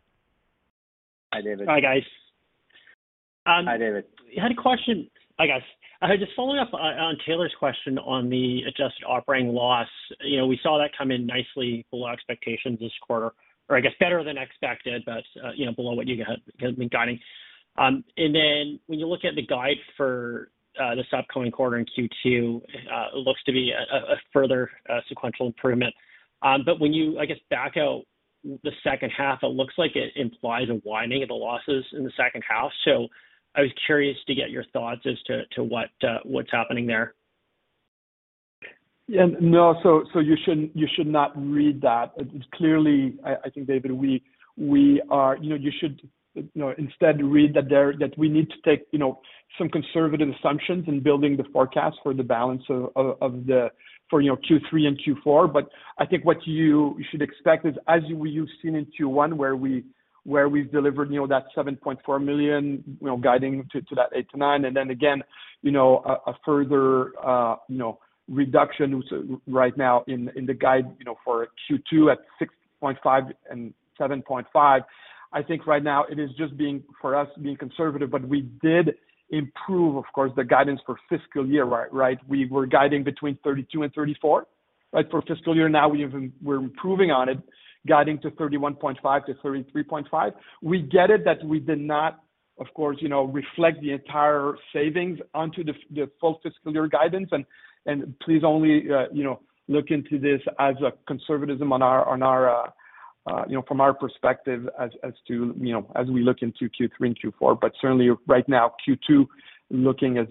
Hi, David. Hi, guys. Hi, David. I had a question, I guess. Just following up on Taylor's question on the adjusted operating loss. You know, we saw that come in nicely below expectations this quarter or I guess, better than expected, but, you know, below what you had been guiding. Then when you look at the guide for this upcoming quarter in Q2, it looks to be a further sequential improvement. When you, I guess, back out the second half, it looks like it implies a widening of the losses in the second half. I was curious to get your thoughts as to what's happening there. You should not read that. Clearly, I think, David, we are. You know, you should instead read that we need to take some conservative assumptions in building the forecast for the balance of Q3 and Q4. I think what you should expect is, as you've seen in Q1 where we've delivered $7.4 million, guiding to $8-9 million. Then again, a further reduction right now in the guide for Q2 at $6.5-7.5 million. I think right now it is just being conservative for us, but we did improve the guidance for fiscal year, right? We were guiding between $32 and $34, right? For fiscal year now we're improving on it, guiding to $31.5-33.5. We get it that we did not, of course, reflect the entire savings onto the full fiscal year guidance. Please only look into this as a conservatism on our from our perspective as to, as we look into Q3 and Q4. Certainly right now, Q2 looking as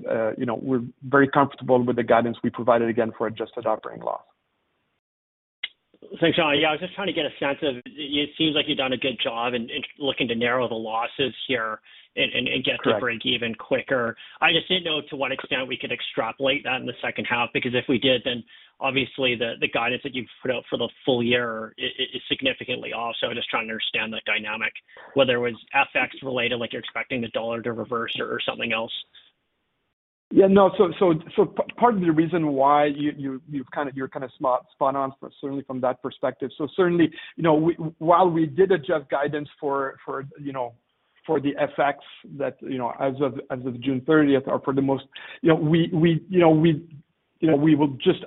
we're very comfortable with the guidance we provided again for adjusted operating loss. Thanks, Jean. Yeah, it seems like you've done a good job in looking to narrow the losses here and get Correct. The break even quicker. I just didn't know to what extent we could extrapolate that in the second half, because if we did, then obviously the guidance that you've put out for the full year is significantly off. I'm just trying to understand the dynamic, whether it was FX related, like you're expecting the dollar to reverse or something else. Yeah. No. Part of the reason why you're spot on, certainly from that perspective. Certainly, you know, while we did adjust guidance for the FX as of June thirtieth.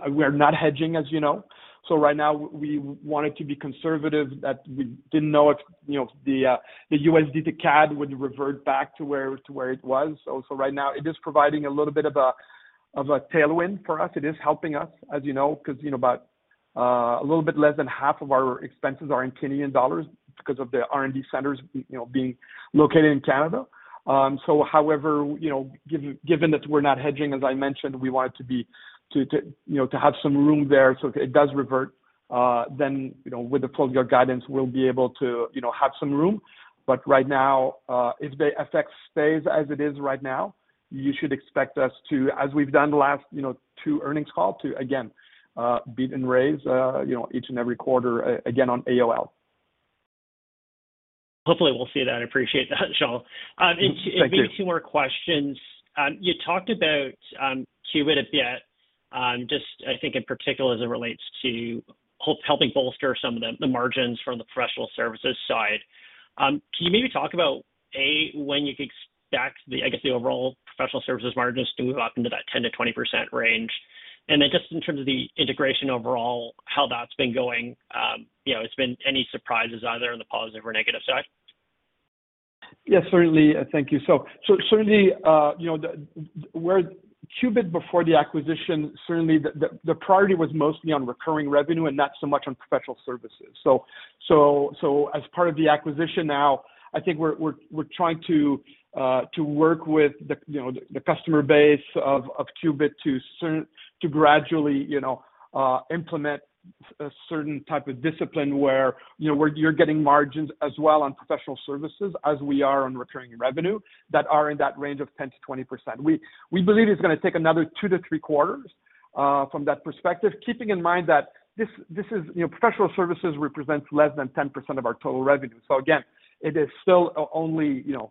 We're not hedging, as you know. Right now we wanted to be conservative that we didn't know if, you know, the USD to CAD would revert back to where it was. Also right now, it is providing a little bit of a tailwind for us. It is helping us, as you know, because, you know, about a little bit less than half of our expenses are in Canadian dollars because of the R&D centers, you know, being located in Canada. However, you know, given that we're not hedging, as I mentioned, we wanted to to, you know, to have some room there. If it does revert, then, you know, with the full year guidance, we'll be able to, you know, have some room. Right now, if the FX stays as it is right now, you should expect us to, as we've done the last, you know, two earnings call, to again, beat and raise, you know, each and every quarter again on all. Hopefully, we'll see that. I appreciate that, Jean. Thank you. Maybe two more questions. You talked about Qubit a bit, just I think in particular as it relates to helping bolster some of the margins from the professional services side. Can you maybe talk about when you could expect the, I guess, the overall professional services margins to move up into that 10-20% range? Then just in terms of the integration overall, how that's been going. You know, it's been any surprises either on the positive or negative side? Yes, certainly. Thank you. Certainly, you know, where Qubit before the acquisition, certainly the priority was mostly on recurring revenue and not so much on professional services. As part of the acquisition now, I think we're trying to work with the customer base of Qubit to gradually, you know, implement a certain type of discipline where, you know, where you're getting margins as well on professional services as we are on recurring revenue that are in that range of 10-20%. We believe it's gonna take another 2-3 quarters from that perspective. Keeping in mind that this, you know, professional services represents less than 10% of our total revenue. Again, it is still only, you know.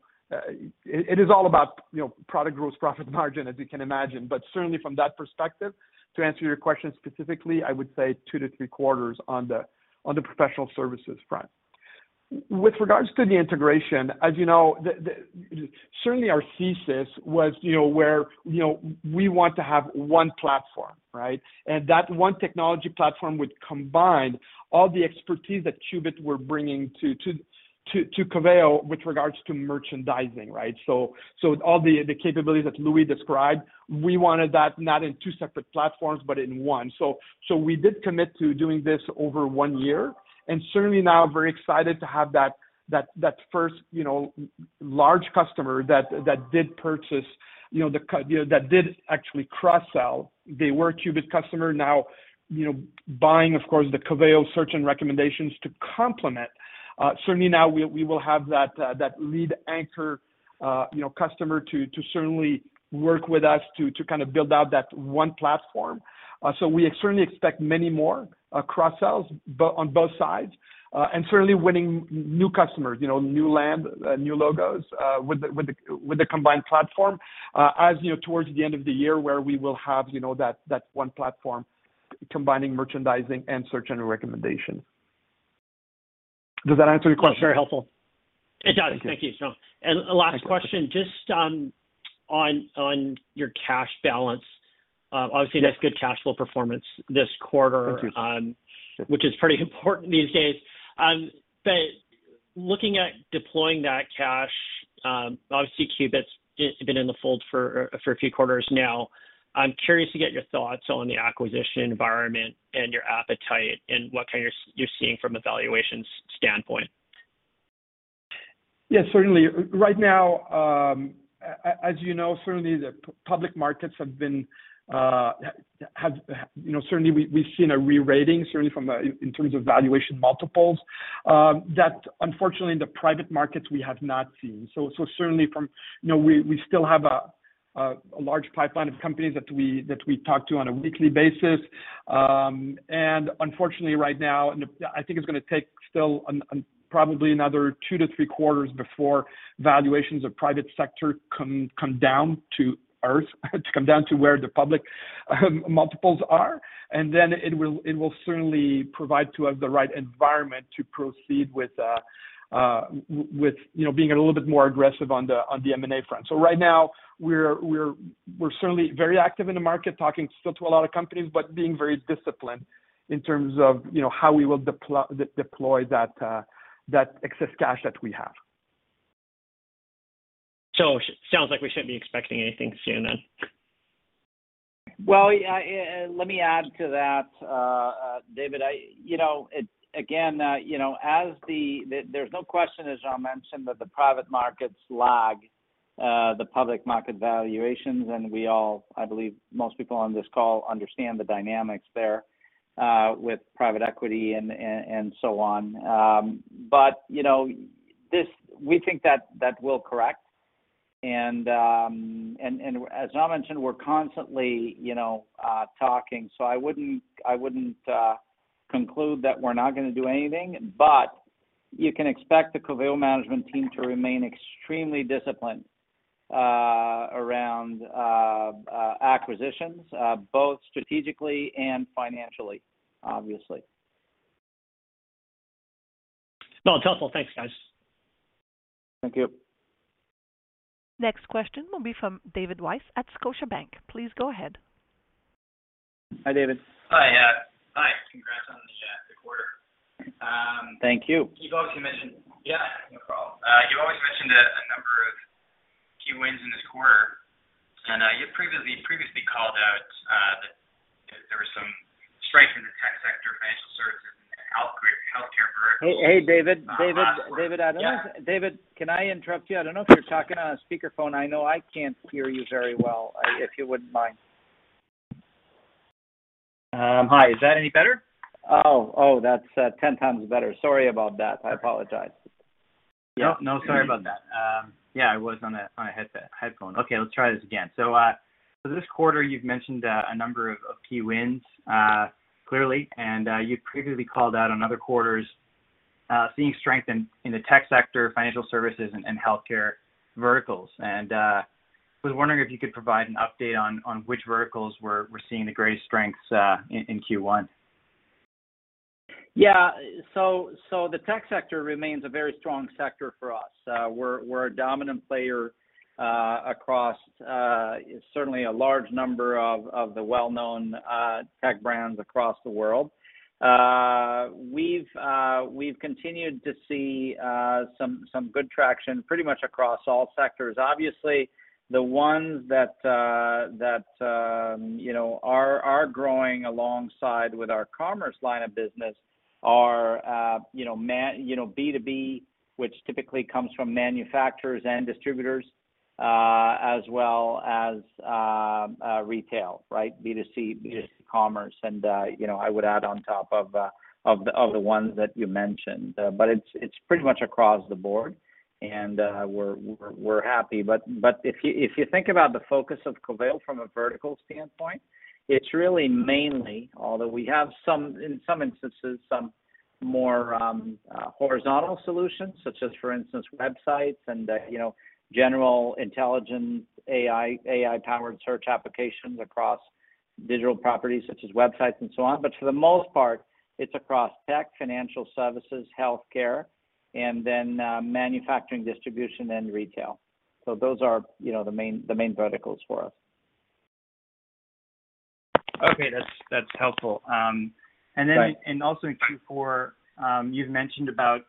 It is all about, you know, product gross profit margin, as you can imagine. Certainly from that perspective, to answer your question specifically, I would say two to three quarters on the professional services front. With regards to the integration, as you know, certainly our thesis was, you know, we want to have one platform, right? That one technology platform would combine all the expertise that Qubit were bringing to Coveo with regards to merchandising, right? All the capabilities that Louie described, we wanted that not in two separate platforms, but in one. We did commit to doing this over one year. Certainly now very excited to have that first, you know, large customer that did purchase, you know, you know, that did actually cross-sell. They were a Qubit customer now, you know, buying, of course, the Coveo Search and Recommendations to complement. Certainly now we will have that lead anchor, you know, customer to certainly work with us to kind of build out that one platform. So we certainly expect many more cross-sells on both sides. Certainly winning new customers, you know, new land, new logos with the combined platform, as you know, towards the end of the year where we will have, you know, that one platform combining merchandising and search and recommendation. Does that answer your question? Yes. Very helpful. It does. Thank you. Thank you, Jean. Thanks, David. A last question, just on your cash balance. Obviously Yes Nice, good cash flow performance this quarter. Thank you. which is pretty important these days. Looking at deploying that cash, obviously, Qubit's just been in the fold for a few quarters now. I'm curious to get your thoughts on the acquisition environment and your appetite and what kind of you're seeing from a valuations standpoint. Yeah, certainly. Right now, as you know, certainly the public markets have been, you know, certainly we've seen a re-rating, certainly from in terms of valuation multiples. That unfortunately in the private markets we have not seen. Certainly, you know, we still have a large pipeline of companies that we talk to on a weekly basis. Unfortunately right now, I think it's gonna take still probably another 2-3 quarters before valuations of private sector come down to earth, to come down to where the public multiples are. Then it will certainly provide to us the right environment to proceed with, you know, being a little bit more aggressive on the M&A front. Right now we're certainly very active in the market, talking still to a lot of companies, but being very disciplined in terms of, you know, how we will deploy that excess cash that we have. Sounds like we shouldn't be expecting anything soon then. Well, yeah, let me add to that, David. You know, again, you know, as Jean mentioned, there's no question that the private markets lag the public market valuations, and we all, I believe most people on this call understand the dynamics there, with private equity and so on. You know, we think that will correct. As Jean mentioned, we're constantly, you know, talking. I wouldn't conclude that we're not gonna do anything. You can expect the Coveo management team to remain extremely disciplined around acquisitions, both strategically and financially, obviously. No, helpful. Thanks, guys. Thank you. Next question will be from David Weiss at Scotiabank. Please go ahead. Hi, David. Hi. Hi. Congrats on the quarter. Thank you. You've also mentioned. Yeah, no problem. You always mentioned a number of key wins in this quarter. You previously called out that there was some strength in the tech sector, financial services, and healthcare verticals last quarter. Hey, David, I don't know if- Yeah. David, can I interrupt you? I don't know if you're talking on a speakerphone. I know I can't hear you very well. If you wouldn't mind. Hi. Is that any better? Oh, oh, that's 10x better. Sorry about that. I apologize. No, no, sorry about that. Yeah, I was on a headset. Okay, let's try this again. This quarter you've mentioned a number of key wins, clearly. You've previously called out on other quarters seeing strength in the tech sector, financial services, and healthcare verticals. I was wondering if you could provide an update on which verticals we're seeing the greatest strengths in Q1. Yeah. The tech sector remains a very strong sector for us. We're a dominant player across certainly a large number of the well-known tech brands across the world. We've continued to see some good traction pretty much across all sectors. Obviously, the ones that you know are growing alongside with our commerce line of business are you know B2B, which typically comes from manufacturers and distributors, as well as retail, right? B2C commerce, and you know, I would add on top of the ones that you mentioned. It's pretty much across the board and we're happy. If you think about the focus of Coveo from a vertical standpoint, it's really mainly, although we have some in some instances, some more horizontal solutions, such as, for instance, websites and you know, general intelligence, AI-powered search applications across digital properties such as websites and so on. For the most part, it's across tech, financial services, healthcare, and then manufacturing, distribution, and retail. Those are, you know, the main verticals for us. Okay. That's helpful. Right. In Q4, you've mentioned about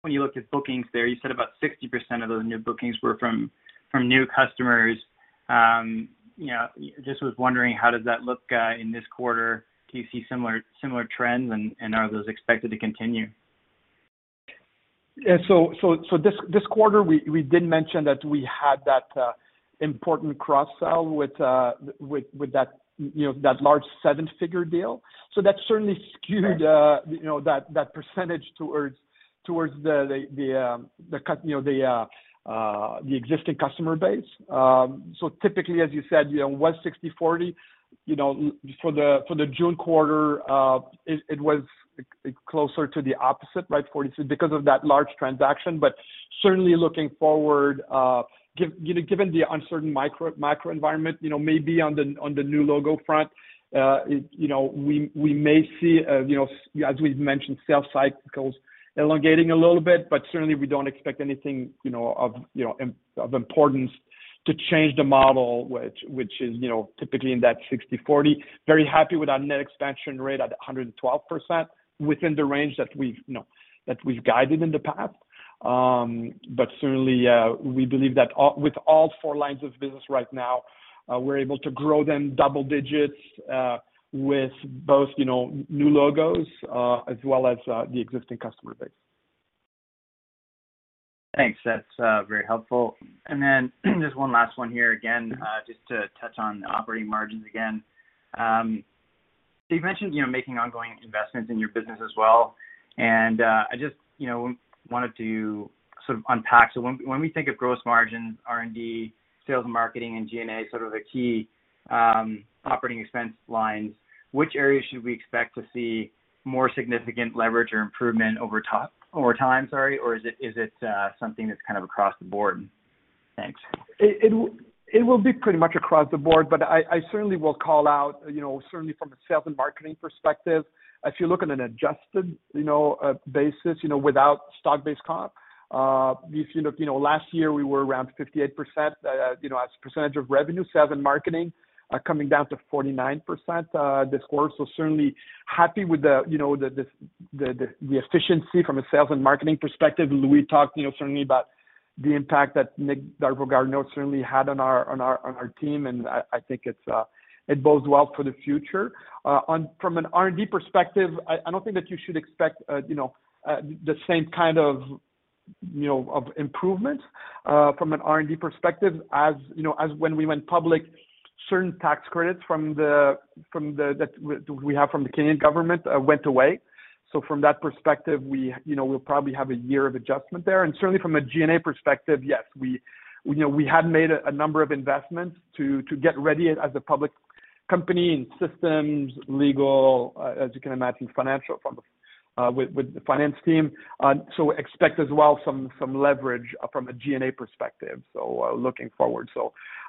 when you looked at bookings there, you said about 60% of those new bookings were from new customers. You know, just was wondering, how does that look in this quarter? Do you see similar trends, and are those expected to continue? This quarter we did mention that we had that important cross-sell with that, you know, that large seven-figure deal. That certainly skewed- Right. You know, that percentage towards the existing customer base. So typically, as you said, you know, it was 60/40, you know, for the June quarter, it was closer to the opposite, right, 40/60 because of that large transaction. Certainly looking forward, given the uncertain macroeconomic environment, you know, maybe on the new logo front, you know, we may see, you know, as we've mentioned, sales cycles elongating a little bit, but certainly we don't expect anything, you know, of importance to change the model which is, you know, typically in that 60/40. Very happy with our net expansion rate at 112% within the range that we've, you know, guided in the past. Certainly, we believe that with all four lines of business right now, we're able to grow them double digits, with both, you know, new logos, as well as, the existing customer base. Thanks. That's very helpful. Just one last one here. Again, just to touch on operating margins again. You've mentioned, you know, making ongoing investments in your business as well. I just, you know, wanted to sort of unpack. When we think of gross margins, R&D, sales and marketing, and G&A, sort of the key operating expense lines, which areas should we expect to see more significant leverage or improvement over time? Is it something that's kind of across the board? Thanks. It will be pretty much across the board, but I certainly will call out, you know, certainly from a sales and marketing perspective, if you look at an adjusted, you know, basis, you know, without stock-based comp, if you look, you know, last year we were around 58% as percentage of revenue, sales and marketing, coming down to 49% this quarter. Certainly happy with the, you know, the efficiency from a sales and marketing perspective. Louis talked, you know, certainly about the impact that Nicolas Darveau-Garneau certainly had on our team, and I think it bodes well for the future. From an R&D perspective, I don't think that you should expect, you know, the same kind of improvement from an R&D perspective. When we went public, certain tax credits that we have from the Canadian government went away. From that perspective, we you know will probably have a year of adjustment there. Certainly from a G&A perspective, yes, we you know have made a number of investments to get ready as a public company in systems, legal, as you can imagine, financial with the finance team. Expect as well some leverage from a G&A perspective, looking forward.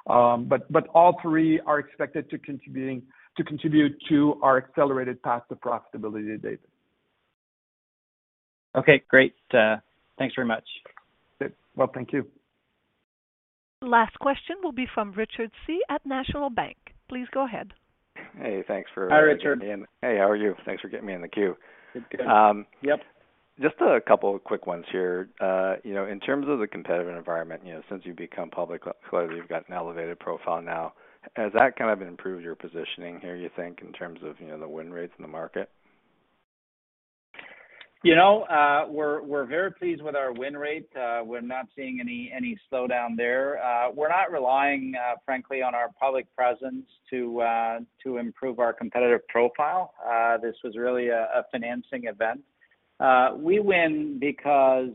All three are expected to contribute to our accelerated path to profitability, David. Okay, great. Thanks very much. Well, thank you. Last question will be from Richard Tse at National Bank Financial. Please go ahead. Hey, thanks for. Hi, Richard. Hey, how are you? Thanks for getting me in the queue. Good. Yep. Just a couple of quick ones here. You know, in terms of the competitive environment, you know, since you've become public, clearly you've got an elevated profile now. Has that kind of improved your positioning here, you think, in terms of, you know, the win rates in the market? You know, we're very pleased with our win rate. We're not seeing any slowdown there. We're not relying, frankly, on our public presence to improve our competitive profile. This was really a financing event. We win because,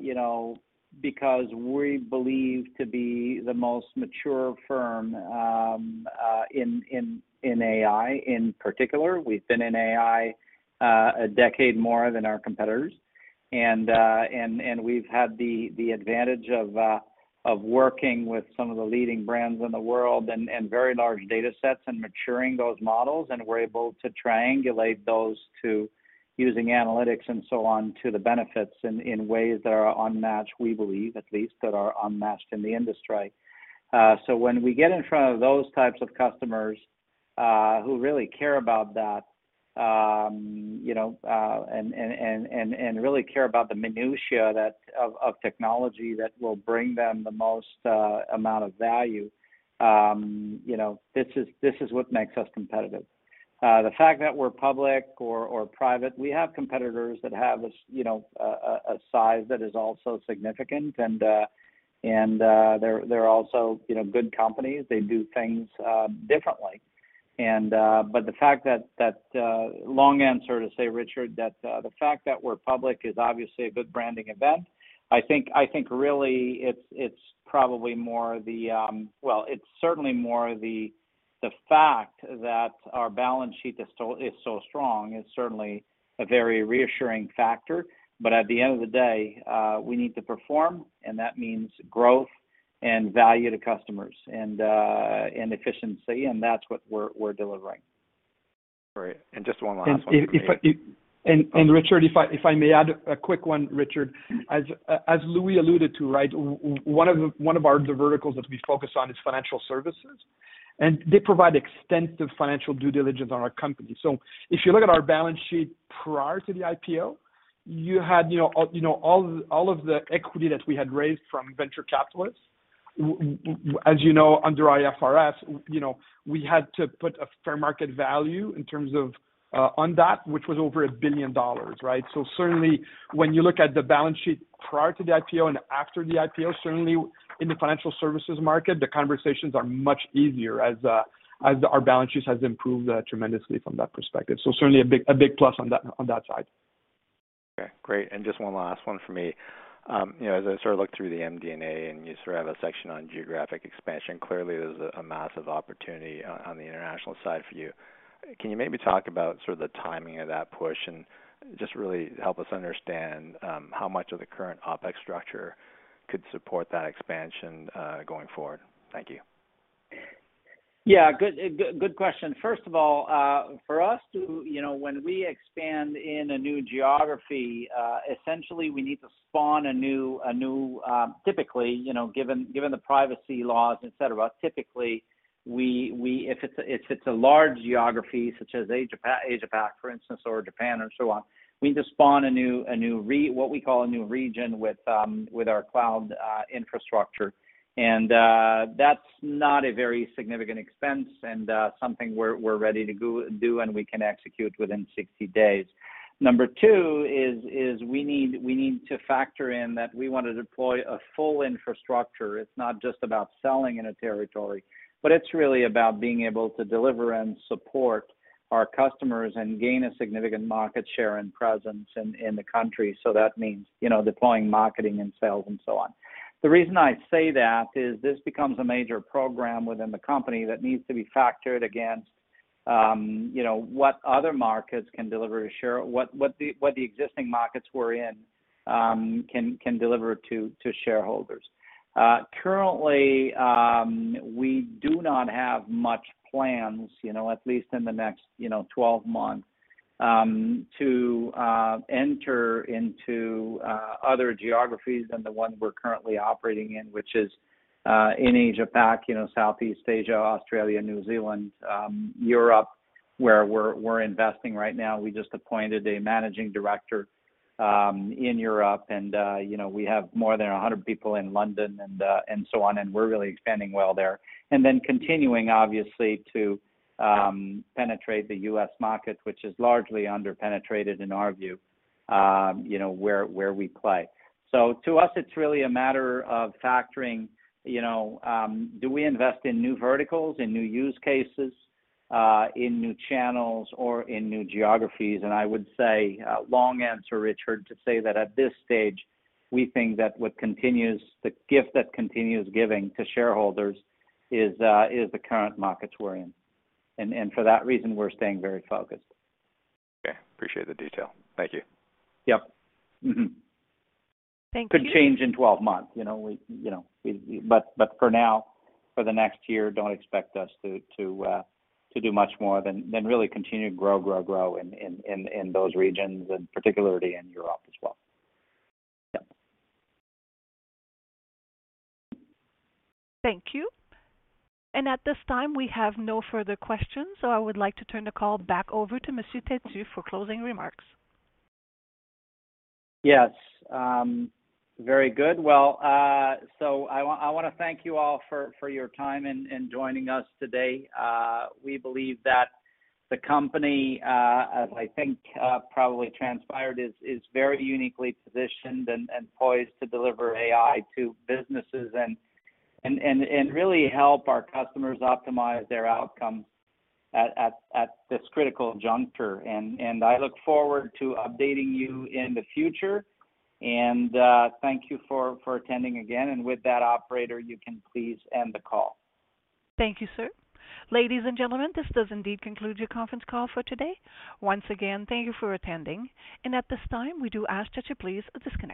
you know, because we believe to be the most mature firm in AI. In particular, we've been in AI a decade more than our competitors. We've had the advantage of working with some of the leading brands in the world and very large data sets and maturing those models, and we're able to triangulate those using analytics and so on to the benefit in ways that are unmatched, we believe at least, in the industry. When we get in front of those types of customers who really care about that, you know, and really care about the minutia of technology that will bring them the most amount of value, you know, this is what makes us competitive. The fact that we're public or private, we have competitors that have a size that is also significant and they're also, you know, good companies. They do things differently. But the fact that. Long answer to say, Richard, that the fact that we're public is obviously a good branding event. I think really it's probably more the. Well, it's certainly more the fact that our balance sheet is so strong is certainly a very reassuring factor. But at the end of the day, we need to perform, and that means growth and value to customers and efficiency, and that's what we're delivering. Sorry, and just one last one for me. Richard, if I may add a quick one, Richard. As Louie alluded to, right? One of our verticals that we focus on is financial services. They provide extensive financial due diligence on our company. If you look at our balance sheet prior to the IPO, you had, you know, all of the equity that we had raised from venture capitalists. As you know, under IFRS, you know, we had to put a fair market value in terms of on that, which was over $1 billion, right? Certainly when you look at the balance sheet prior to the IPO and after the IPO, certainly in the financial services market, the conversations are much easier as our balance sheet has improved tremendously from that perspective. Certainly a big plus on that side. Okay, great. Just one last one for me. You know, as I sort of look through the MD&A, you sort of have a section on geographic expansion. Clearly there's a massive opportunity on the international side for you. Can you maybe talk about sort of the timing of that push and just really help us understand how much of the current OpEx structure could support that expansion going forward? Thank you. Yeah, good question. First of all, for us to, you know, when we expand in a new geography, essentially we need to spawn a new typically, you know. Given the privacy laws, et cetera, typically, If it's a large geography such as Asia Pac, for instance, or Japan or so on, we need to spawn a new what we call a new region with our cloud infrastructure. That's not a very significant expense and something we're ready to do, and we can execute within 60 days. Number two is we need to factor in that we want to deploy a full infrastructure. It's not just about selling in a territory, but it's really about being able to deliver and support our customers and gain a significant market share and presence in the country. That means, you know, deploying marketing and sales and so on. The reason I say that is this becomes a major program within the company that needs to be factored against, you know, what other markets can deliver a share, what the existing markets we're in can deliver to shareholders. Currently, we do not have much plans, you know, at least in the next 12 months, to enter into other geographies than the one we're currently operating in, which is in Asia Pac, you know, Southeast Asia, Australia, New Zealand, Europe, where we're investing right now. We just appointed a managing director in Europe and, you know, we have more than 100 people in London and so on. We're really expanding well there. Continuing obviously to penetrate the US market, which is largely under-penetrated, in our view, you know, where we play. To us, it's really a matter of factoring, you know, do we invest in new verticals, in new use cases, in new channels, or in new geographies? I would say long answer, Richard, to say that at this stage, we think that what continues, the gift that continues giving to shareholders is the current markets we're in. For that reason, we're staying very focused. Okay. Appreciate the detail. Thank you. Yep. Thank you. Could change in 12 months. For now, for the next year, don't expect us to do much more than really continue to grow in those regions and particularly in Europe as well. Yep. Thank you. At this time, we have no further questions, so I would like to turn the call back over to Louis Têtu for closing remarks. Yes. Very good. Well, I wanna thank you all for your time in joining us today. We believe that the company, as I think, probably transpired, is very uniquely positioned and poised to deliver AI to businesses and really help our customers optimize their outcomes at this critical juncture. I look forward to updating you in the future. Thank you for attending again. With that, operator, you can please end the call. Thank you, sir. Ladies and gentlemen, this does indeed conclude your conference call for today. Once again, thank you for attending. At this time, we do ask that you please disconnect.